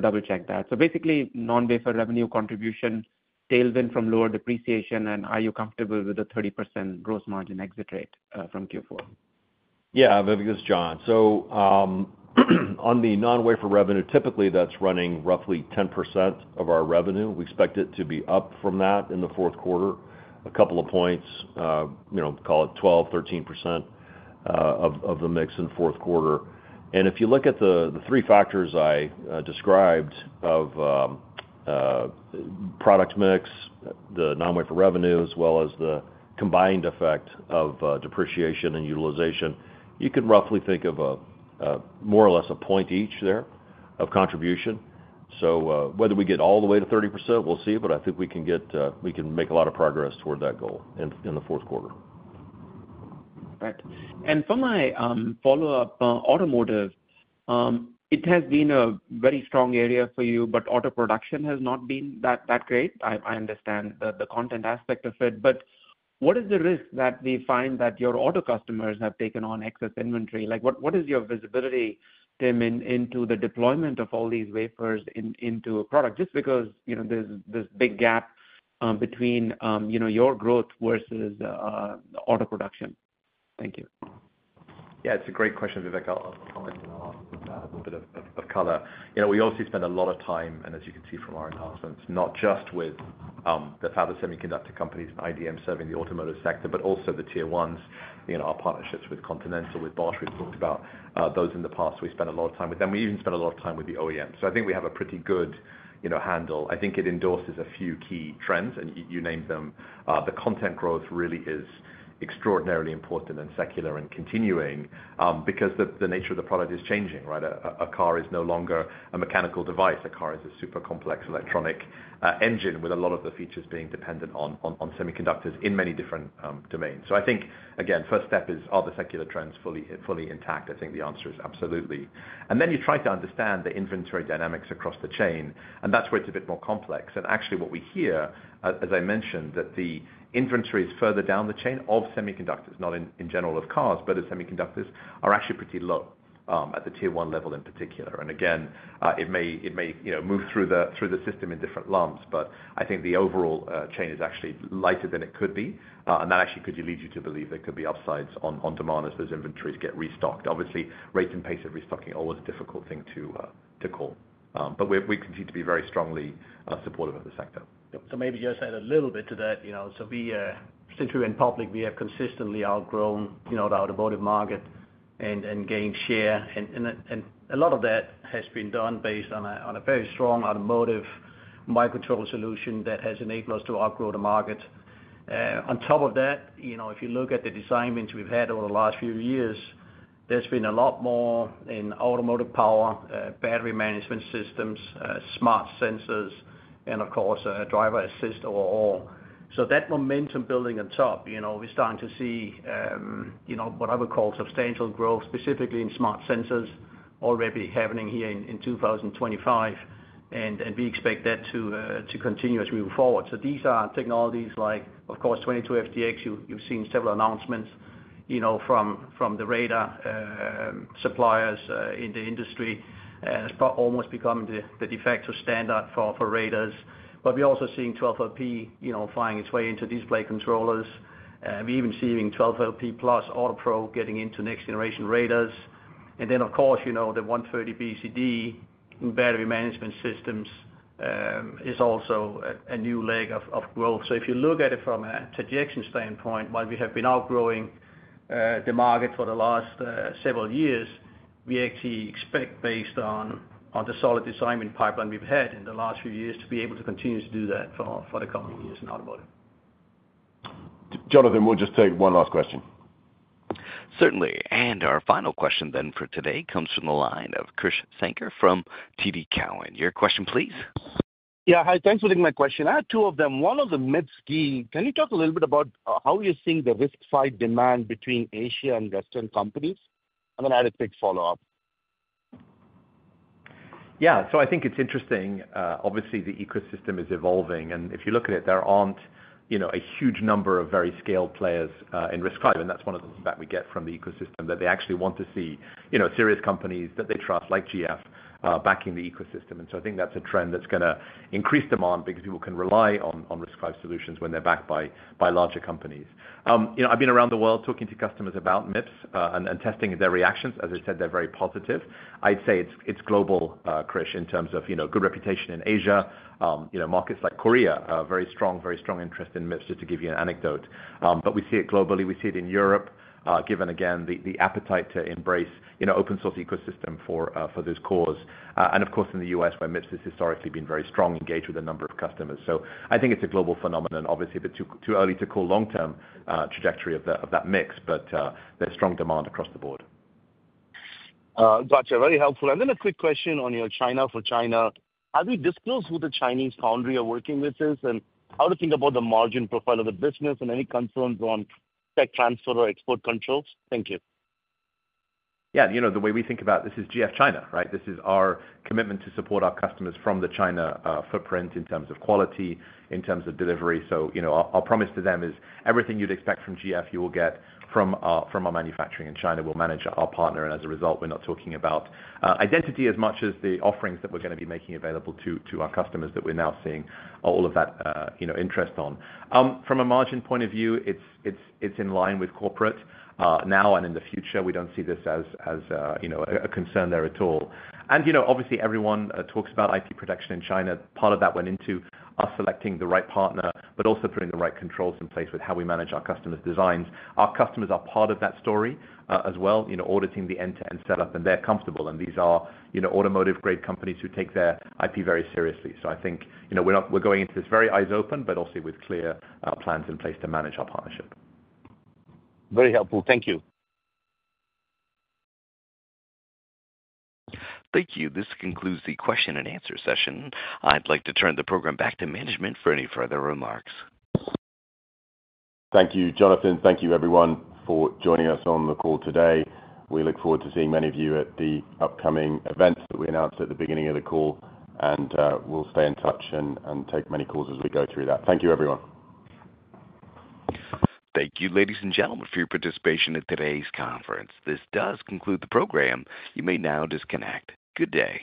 double check that. Basically, non wafer revenue contribution, tailwind from lower depreciation, and are you comfortable with the 30% gross margin exit rate from Q4? Yeah. Vivek, this is John. On the non wafer revenue, typically that's running roughly 10% of our revenue. We expect it to be up from that in the fourth quarter a couple of points, call it 12%-13% of the mix in the fourth quarter. If you look at the three factors I described of product mix, the non wafer revenue, as well as the combined effect of depreciation and utilization, you can roughly think of more or less a point each there of contribution. Whether we get all the way to 30% we'll see, but I think we can make a lot of progress toward that goal in the fourth quarter. Right. For my follow up, automotive has been a very strong area for you, but auto production has not been that great. I understand the content aspect of it, but what is the risk that we find that your auto customers have taken on excess inventory? What is your visibility, Tim, into the deployment of all these wafers into a product just because there's this big gap between your growth versus auto production? Thank you. Yeah, it's a great question, Vivek. A little bit of color. We obviously spend a lot of time, and as you can see from our analysis, not just with the fabless semiconductor companies, IDM, serving the automotive sector, but also the Tier 1s, our partnerships with Continental, with Bosch, we've talked about those in the past. We spent a lot of time with them. We even spent a lot of time with the OEM. I think we have a pretty good handle. I think it endorses a few key trends, and you name them. The content growth really is extraordinarily important and secular and continuing because the nature of the product is changing. A car is no longer a mechanical device. A car is a super complex electronic engine with a lot of the features being dependent on semiconductors in many different domains. I think, again, first step is, are the secular trends fully intact? I think the answer is absolutely. Then you try to understand the inventory dynamics across the chain, and that's where it's a bit more complex. Actually, what we hear, as I mentioned, is that the inventories further down the chain of semiconductors, not in general of cars, but of semiconductors, are actually pretty low at the Tier 1 level in particular. It may move through the system in different lumps, but I think the overall chain is actually lighter than it could be. That actually could lead you to believe there could be upsides on demand as those inventories get restocked. Obviously, rates and pace of restocking are always a difficult thing to call, but we continue to be very strongly supportive of the sector. Maybe just add a little bit to that. Since we went public, we have consistently outgrown the automotive market and gained share. A lot of that has been done based on a very strong automotive microcontroller solution that has enabled us to outgrow the market. On top of that, if you look at the design wins we've had over the last few years, there's been a lot more in automotive power, battery management systems, smart sensors, and of course, driver assist overall. That momentum building on top, we're starting to see what I would call substantial growth, specifically in smart sensors, already happening here in 2025. We expect that to continue as we move forward. These are technologies like, of course, 22FDX. You've seen several announcements from the radar suppliers in the industry, almost become the de facto standard for radars. We're also seeing 12LP finding its way into display controllers. We're even seeing 12LP Plus AutoPro getting into next generation radars. Of course, the 130 BCD battery management systems is also a new leg of growth. If you look at it from a projection standpoint, while we have been outgrowing the market for the last several years, we actually expect based on the solid design pipeline we've had in the last few years to be able to continue to do that for the coming years. Now the model. Jonathan, we'll just take one last question. Certainly. Our final question for today comes from the line of Krish Sankar from TD Cowen. Your question please. Yeah, hi, thanks for taking my question. I had two of them. One on the MIPS key. Can you talk a little bit about how you're seeing the RISC-V demand between Asia and Western companies? I'm going to add a quick follow up. Yeah. I think it's interesting, obviously the ecosystem is evolving, and if you look at it, there aren't a huge number of very scaled players in RISC-V, and that's one of the feedback we get from the ecosystem, that they actually want to see serious companies that they trust like GF backing the ecosystem. I think that's a trend that's going to increase demand because people can rely on RISC-V solutions when they're backed by larger companies. I've been around the world talking to customers about MIPS and testing their reactions. As I said, they're very positive. I'd say it's global, Krish, in terms of good reputation in Asia, markets like Korea, very strong, very strong interest in MIPS just to give you an anecdote. We see it globally, we see it in Europe given again the appetite to embrace, you know, open source ecosystem for this cause, and of course in the U.S. where MIPS has historically been very strong, engaged with a number of customers. I think it's a global phenomenon, obviously, but too early to call long-term trajectory of that mix. There's strong demand across the board. Gotcha. Very helpful. A quick question on your China for China, have you disclosed who the Chinese foundry are working with this and how to think about the margin profile of the business and any concerns on tech transfer or export controls? Thank you. Yeah, you know the way we think about this is GF China, right? This is our commitment to support our customers from the China footprint in terms of quality, in terms of delivery. Our promise to them is everything you'd expect from GF you will get from our manufacturing in China. We'll manage our partner, and as a result, we're not talking about identity as much as the offerings that we're going to be making available to our customers that we're now seeing all of that interest on. From a margin point of view, it's in line with corporate now and in the future. We don't see this as a concern there at all. Obviously, everyone talks about IP protection in China. Part of that went into us selecting the right partner but also putting the right controls in place with how we manage our customers' designs. Our customers are part of that story as well, auditing the end-to-end setup, and they're comfortable. These are automotive grade companies who take their IP very seriously. I think we're going into this very eyes open, but also with clear plans in place to manage our partnerships. Very helpful. Thank you. Thank you. This concludes the question and answer session. I'd like to turn the program back to management for any further remarks. Thank you, Jonathan. Thank you everyone for joining us on the call today. We look forward to seeing many of you at the upcoming events that we have announced at the beginning of the call. We will stay in touch and take many calls as we go through that. Thank you, everyone. Thank you, ladies and gentlemen, for your participation in today's conference. This does conclude the program. You may now disconnect. Good day.